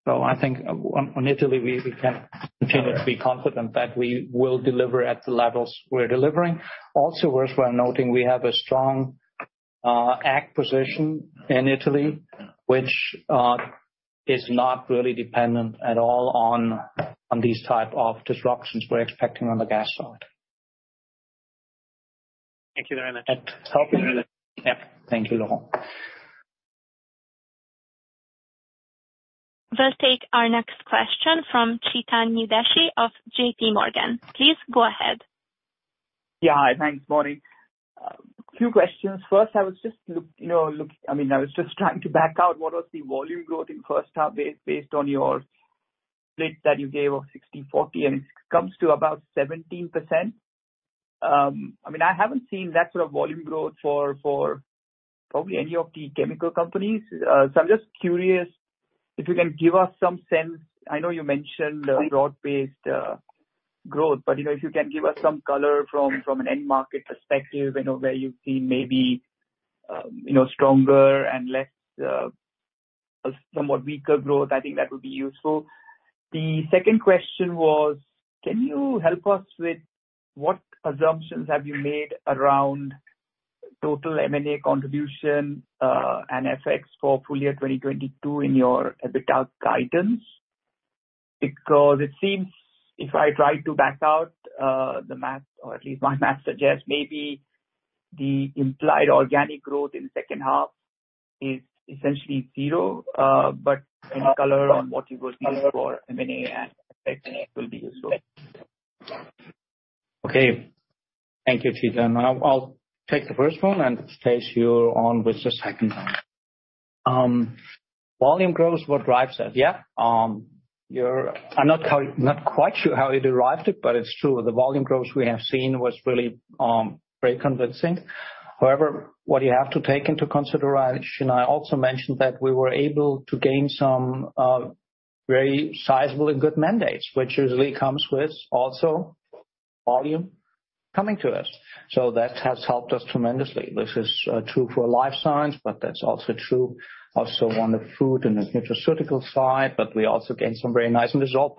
I think on Italy, we can continue to be confident that we will deliver at the levels we're delivering. Also worth noting, we have a strong asset position in Italy, which is not really dependent at all on these type of disruptions we're expecting on the gas side. Thank you very much. That help? Yeah. Thank you, Laurent. We'll take our next question from Chetan Udeshi of JPMorgan. Please go ahead. Yeah. Hi. Thanks. Morning. A few questions. First, I was just trying to back out what was the volume growth in first half based on your split that you gave of 60/40, and it comes to about 17%. I mean, I haven't seen that sort of volume growth for probably any of the chemical companies. So I'm just curious if you can give us some sense. I know you mentioned broad-based growth, but you know, if you can give us some color from an end market perspective, you know, where you've seen maybe stronger and less a somewhat weaker growth. I think that would be useful. The second question was, can you help us with what assumptions have you made around total M&A contribution and effects for full year 2022 in your EBITDA guidance? Because it seems if I try to back out the math, or at least my math suggests maybe the implied organic growth in second half is essentially zero. But any color on what you would need for M&A and effects will be useful. Okay. Thank you, Chetan. I'll take the first one and Thijs, you on with the second one. Volume growth, what drives that? Yeah. I'm not quite sure how you derived it, but it's true. The volume growth we have seen was really very convincing. However, what you have to take into consideration, I also mentioned that we were able to gain some very sizable and good mandates, which usually comes with also volume coming to us. So that has helped us tremendously. This is true for Life Sciences, but that's also true on the food and nutraceutical side, but we also gained some very nice mandates on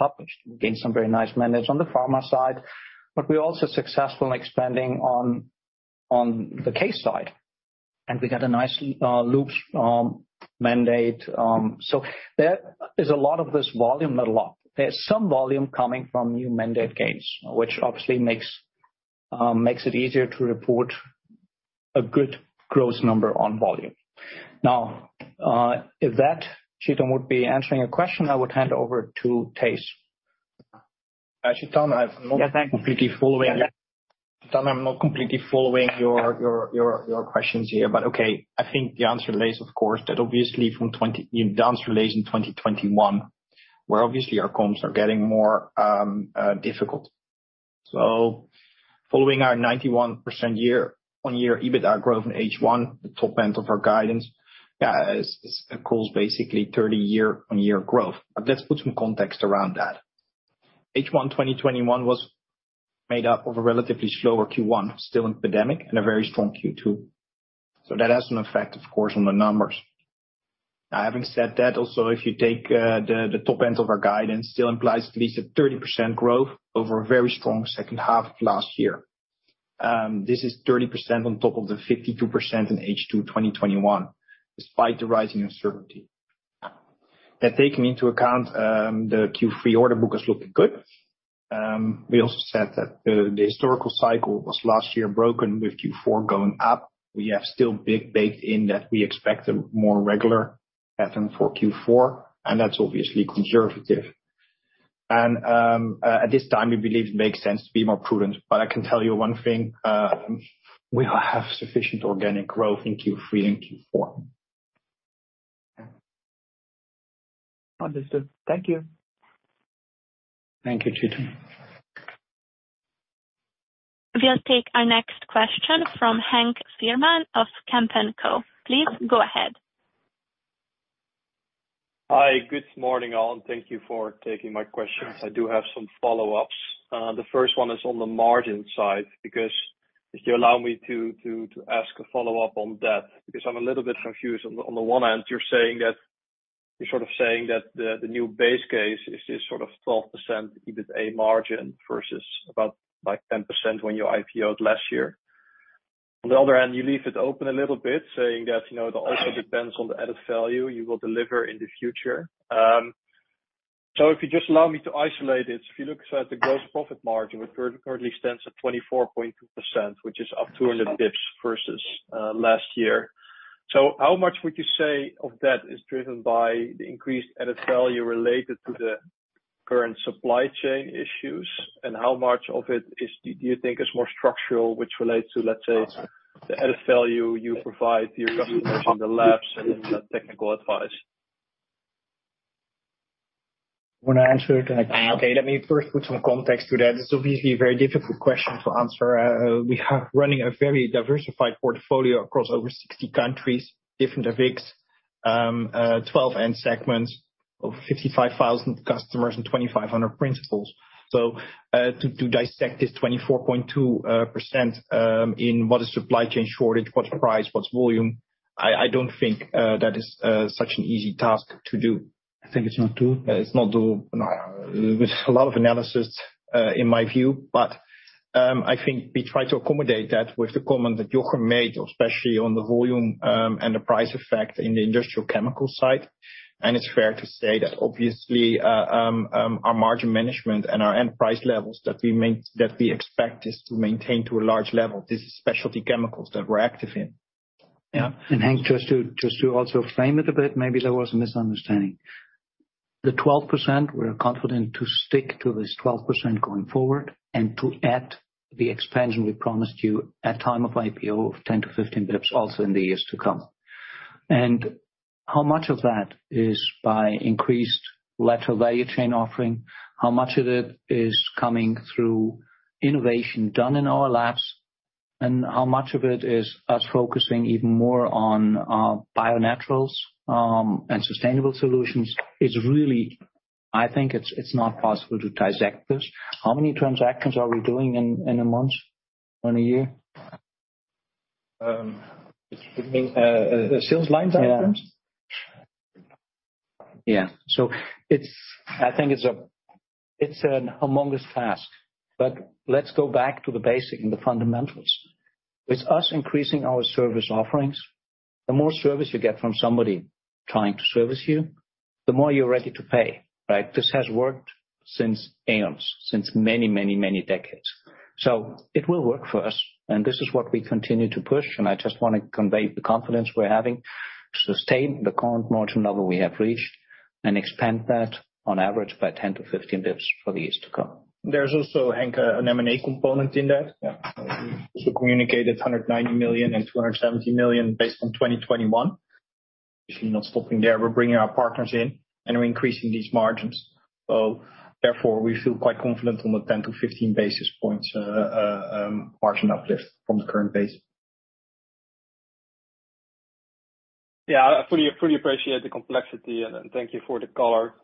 the pharma side, but we're also successful in expanding on the CASE side. It's all published. We got a nice lubes mandate, so there is a lot of this volume, not a lot. There's some volume coming from new mandate gains, which obviously makes it easier to report a good growth number on volume. Now, if that, Chetan, would be answering your question, I would hand over to Thijs. Chetan, I'm not. Yes, thanks. Chetan Udeshi, I'm not completely following your questions here, but okay. I think the answer lies, of course, that obviously from 2021, where obviously our comps are getting more difficult. Following our 91% year-on-year EBITDA growth in H1, the top end of our guidance calls for basically 30% year-on-year growth. Let's put some context around that. H1 2021 was made up of a relatively slower Q1, still in pandemic, and a very strong Q2. That has an effect, of course, on the numbers. Now, having said that, also, if you take the top end of our guidance, still implies at least a 30% growth over a very strong second half of last year. This is 30% on top of the 52% in H2 2021, despite the rising uncertainty. Now, taking into account, the Q3 order book is looking good. We also said that the historical cycle was last year broken with Q4 going up. We have still big baked in that we expect a more regular pattern for Q4, and that's obviously conservative. At this time, we believe it makes sense to be more prudent. I can tell you one thing, we'll have sufficient organic growth in Q3 and Q4. Understood. Thank you. Thank you, Chetan. We'll take our next question from Henk Veerman of Kempen & Co. Please go ahead. Hi, good morning, all, and thank you for taking my questions. I do have some follow-ups. The first one is on the margin side because if you allow me to ask a follow-up on that, because I'm a little bit confused. On the one hand, you're sort of saying that the new base case is this sort of 12% EBITA margin versus about like 10% when you IPO'd last year. On the other hand, you leave it open a little bit saying that, you know, it also depends on the added value you will deliver in the future. So if you just allow me to isolate it. If you look at the gross profit margin, which currently stands at 24.2%, which is up 200 basis points versus last year. How much would you say of that is driven by the increased added value related to the current supply chain issues? How much of it is, do you think is more structural, which relates to, let's say, the added value you provide your customers in the labs and the technical advice? Wanna answer it? Okay. Let me first put some context to that. It's obviously a very difficult question to answer. We have running a very diversified portfolio across over 60 countries, different 12 end segments of 55,000 customers and 2,500 principals. To dissect this 24.2%, in what is supply chain shortage, what's price, what's volume? I don't think that is such an easy task to do. I think it's not doable. It's not doable. With a lot of analysis, in my view. I think we try to accommodate that with the comment that Joachim made, especially on the volume, and the price effect in the industrial chemical side. It's fair to say that obviously, our margin management and our end price levels that we expect is to maintain to a large level. This is specialty chemicals that we're active in. Yeah. Henk, just to also frame it a bit, maybe there was a misunderstanding. The 12%, we're confident to stick to this 12% going forward and to add the expansion we promised you at time of IPO of 10-15 basis points also in the years to come. How much of that is by increased lateral value chain offering, how much of it is coming through innovation done in our labs, and how much of it is us focusing even more on bio-naturals and sustainable solutions is really, I think it's not possible to dissect this. How many transactions are we doing in a month? In a year? You mean, the sales line items? Yeah. I think it's an humongous task. Let's go back to the basics and the fundamentals. With us increasing our service offerings, the more service you get from somebody trying to service you, the more you're ready to pay, right? This has worked since eons, since many, many, many decades. It will work for us, and this is what we continue to push, and I just wanna convey the confidence we're having to sustain the current margin level we have reached and expand that on average by 10-15 basis points for the years to come. There's also, Henk, an M&A component in that. Yeah. To communicate it, 190 million and 270 million based on 2021. Actually not stopping there, we're bringing our partners in, and we're increasing these margins. Therefore, we feel quite confident on the 10-15 basis points margin uplift from the current base. Yeah. I fully appreciate the complexity and thank you for the color.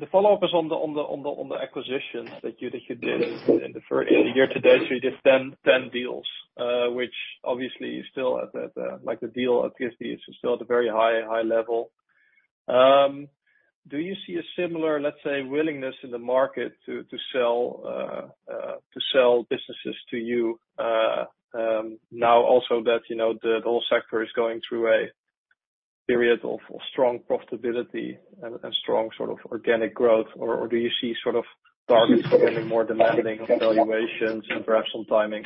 The follow-up is on the acquisitions that you did in the first year-to-date. You did 10 deals. Like, the deal activity is still at a very high level. Do you see a similar, let's say, willingness in the market to sell businesses to you, now also that, you know, the whole sector is going through a period of strong profitability and strong sort of organic growth? Or do you see sort of targets becoming more demanding on valuations and perhaps on timing?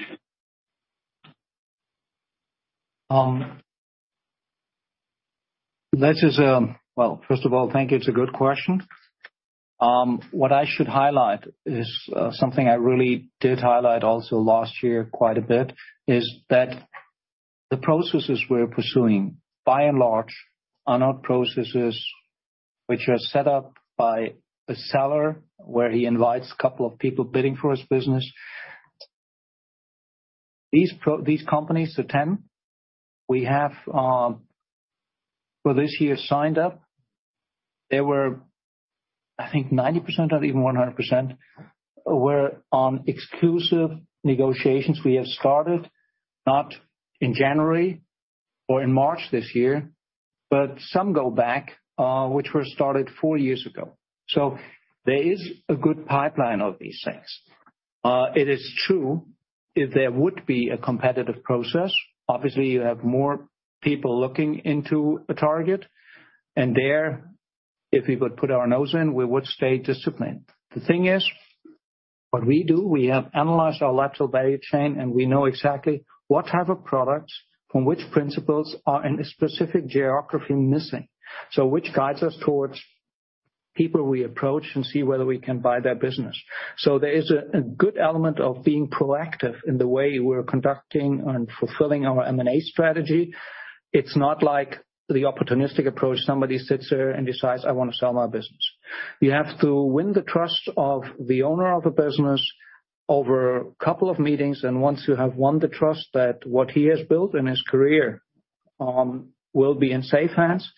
Well, first of all, thank you. It's a good question. What I should highlight is something I really did highlight also last year quite a bit, is that the processes we're pursuing, by and large, are not processes which are set up by a seller, where he invites a couple of people bidding for his business. These companies, the 10 we have for this year signed up, they were, I think 90% or even 100% were on exclusive negotiations we have started, not in January or in March this year, but some go back, which were started four years ago. There is a good pipeline of these things. It is true, if there would be a competitive process, obviously you have more people looking into a target. There, if we would put our nose in, we would stay disciplined. The thing is, what we do, we have analyzed our lateral value chain, and we know exactly what type of products from which principals are in a specific geography missing. Which guides us towards people we approach and see whether we can buy their business. There is a good element of being proactive in the way we're conducting and fulfilling our M&A strategy. It's not like the opportunistic approach. Somebody sits there and decides, "I wanna sell my business." You have to win the trust of the owner of the business over a couple of meetings, and once you have won the trust that what he has built in his career, will be in safe hands,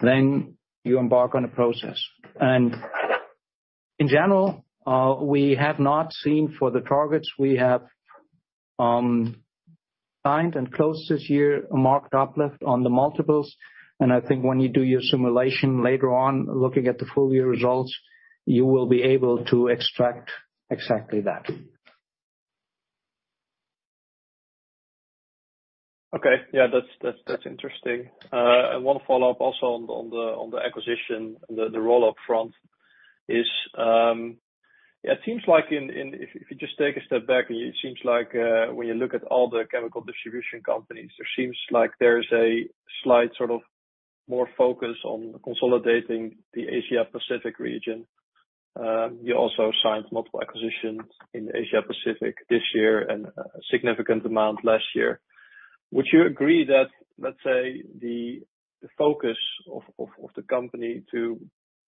then you embark on a process. In general, we have not seen for the targets we have signed and closed this year a marked uplift on the multiples. I think when you do your simulation later on, looking at the full year results, you will be able to extract exactly that. Okay. Yeah. That's interesting. One follow-up also on the acquisition, the roll-up front is. Yeah, it seems like if you just take a step back, it seems like when you look at all the chemical distribution companies, there seems like there is a slight sort of more focus on consolidating the Asia-Pacific region. You also signed multiple acquisitions in Asia-Pacific this year and a significant amount last year. Would you agree that, let's say, the focus of the company to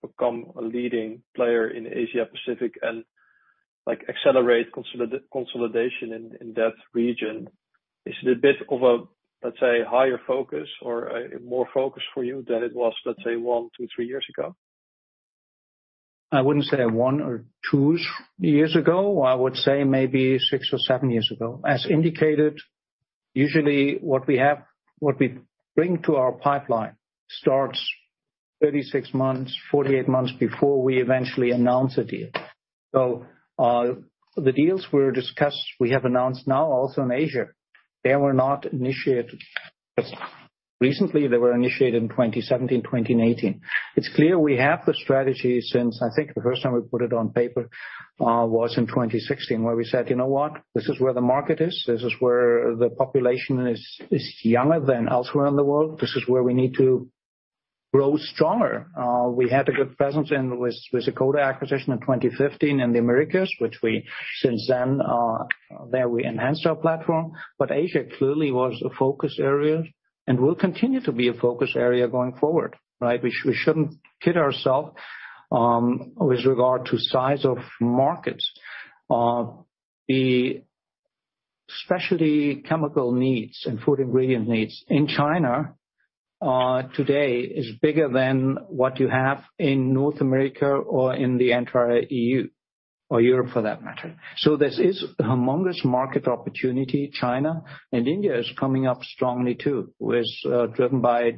become a leading player in Asia-Pacific and, like, accelerate consolidation in that region, is it a bit of a, let's say, higher focus or a more focus for you than it was, let's say, one to three years ago? I wouldn't say one or two years ago. I would say maybe six or seven years ago. As indicated, usually what we have, what we bring to our pipeline starts 36 months, 48 months before we eventually announce a deal. The deals we've discussed we have announced now also in Asia, they were not initiated recently. They were initiated in 2017, 2018. It's clear we have the strategy since I think the first time we put it on paper was in 2016, where we said, "You know what? This is where the market is. This is where the population is younger than elsewhere in the world. This is where we need to grow stronger." We had a good presence with the KODA acquisition in 2015 in the Americas, which we since then enhanced our platform. Asia clearly was a focus area and will continue to be a focus area going forward, right? We shouldn't kid ourselves with regard to size of markets. The specialty chemical needs and food ingredient needs in China today is bigger than what you have in North America or in the entire EU or Europe for that matter. This is a humongous market opportunity. China and India is coming up strongly too, with driven by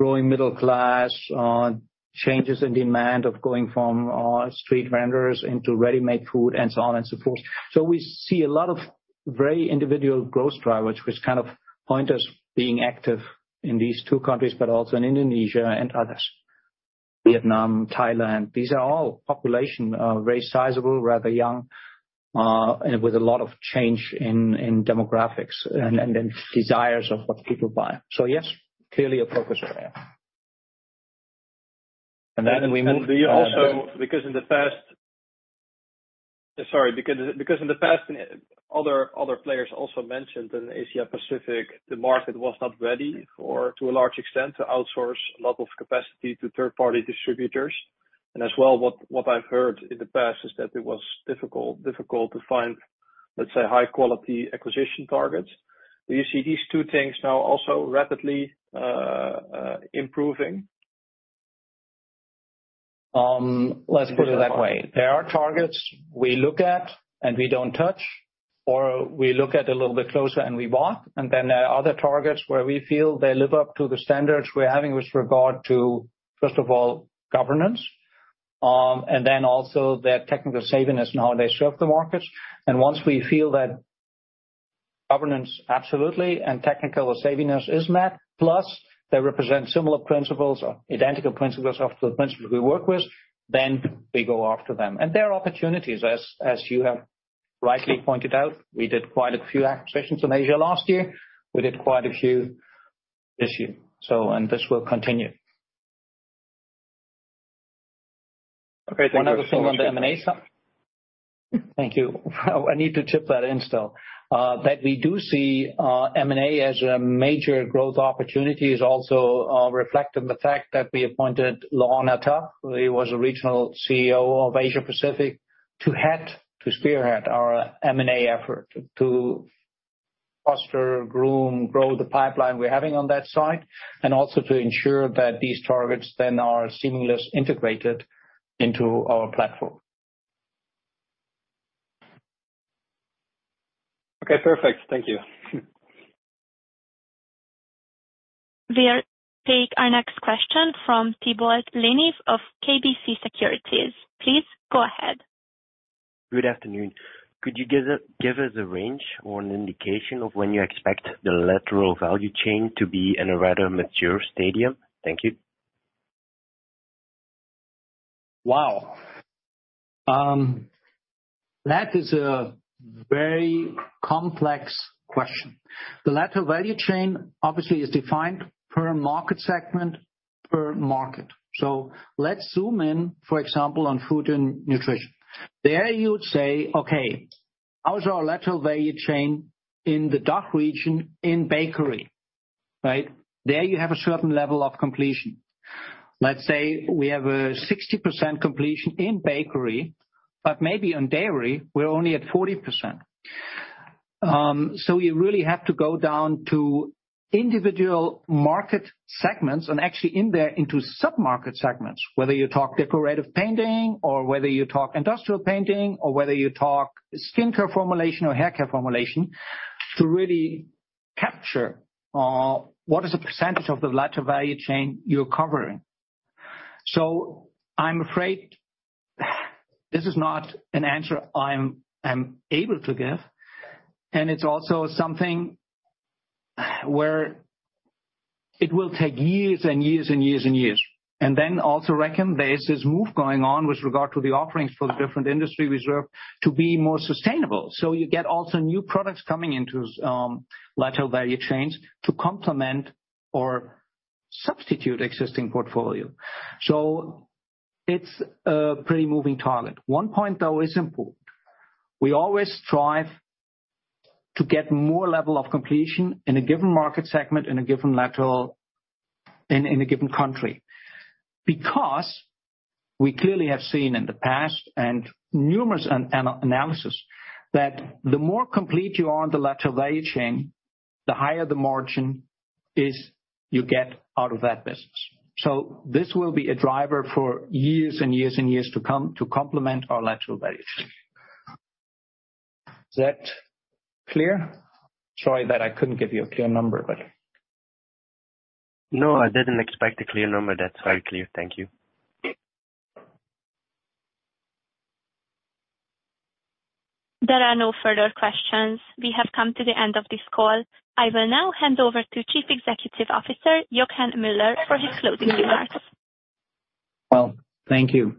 growing middle class, on changes in demand of going from street vendors into ready-made food and so on and so forth. We see a lot of very individual growth drivers which kind of point us being active in these two countries, but also in Indonesia and others. Vietnam, Thailand, these are all population very sizable, rather young, and with a lot of change in demographics and desires of what people buy. Yes, clearly a focus area. Then we move- Do you also, because in the past other players also mentioned in Asia Pacific, the market was not ready or to a large extent to outsource a lot of capacity to third-party distributors. As well, what I've heard in the past is that it was difficult to find, let's say, high quality acquisition targets. Do you see these two things now also rapidly improving? Let's put it that way. There are targets we look at and we don't touch or we look at a little bit closer and we walk. There are other targets where we feel they live up to the standards we're having with regard to, first of all, governance, and then also their technical savviness and how they serve the markets. Once we feel that governance absolutely and technical savviness is met, plus they represent similar principles or identical principles of the principles we work with, then we go after them. There are opportunities, as you have rightly pointed out. We did quite a few acquisitions in Asia last year. We did quite a few this year, and this will continue. Okay. Thank you so much. One other thing on the M&A side. Thank you. I need to chip that in still. That we do see M&A as a major growth opportunity is also reflected in the fact that we appointed Laurent Nataf, he was a regional CEO of Asia Pacific, to head, to spearhead our M&A effort to foster, groom, grow the pipeline we're having on that side, and also to ensure that these targets then are seamlessly integrated into our platform. Okay, perfect. Thank you. We'll take our next question from Thibault Leneeuw of KBC Securities. Please go ahead. Good afternoon. Could you give us a range or an indication of when you expect the lateral value chain to be in a rather mature stage? Thank you. Wow. That is a very complex question. The lateral value chain obviously is defined per market segment per market. Let's zoom in, for example, on food and nutrition. There you would say, "Okay, how's our lateral value chain in the DACH region in bakery?" Right? There you have a certain level of completion. Let's say we have a 60% completion in bakery, but maybe on dairy we're only at 40%. You really have to go down to individual market segments and actually in there into sub-market segments, whether you talk decorative painting or whether you talk industrial painting or whether you talk skincare formulation or haircare formulation to really capture what is the percentage of the lateral value chain you're covering. I'm afraid this is not an answer I'm able to give, and it's also something where it will take years and years and years and years. Then also recognize there is this move going on with regard to the offerings for the different industry we serve to be more sustainable. You get also new products coming into lateral value chains to complement or substitute existing portfolio. It's a pretty moving target. One point though is important. We always strive to get more level of completion in a given market segment, in a given lateral, in a given country. Because we clearly have seen in the past and numerous analysis that the more complete you are on the lateral value chain, the higher the margin is you get out of that business. This will be a driver for years and years and years to come to complement our lateral value chain. Is that clear? Sorry that I couldn't give you a clear number, but. No, I didn't expect a clear number. That's very clear. Thank you. There are no further questions. We have come to the end of this call. I will now hand over to Chief Executive Officer, Hans Joachim Müller, for his closing remarks. Well, thank you.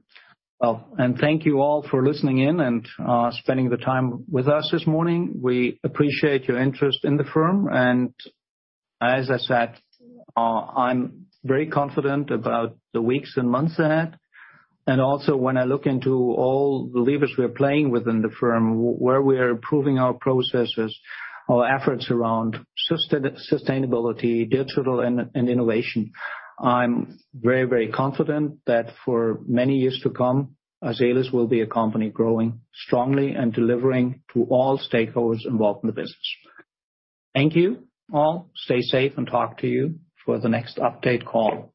Well, thank you all for listening in and spending the time with us this morning. We appreciate your interest in the firm. As I said, I'm very confident about the weeks and months ahead. Also when I look into all the levers we are playing with in the firm, where we are improving our processes, our efforts around sustainability, digital and innovation. I'm very, very confident that for many years to come, Azelis will be a company growing strongly and delivering to all stakeholders involved in the business. Thank you all. Stay safe and talk to you for the next update call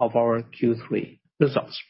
of our Q3 results.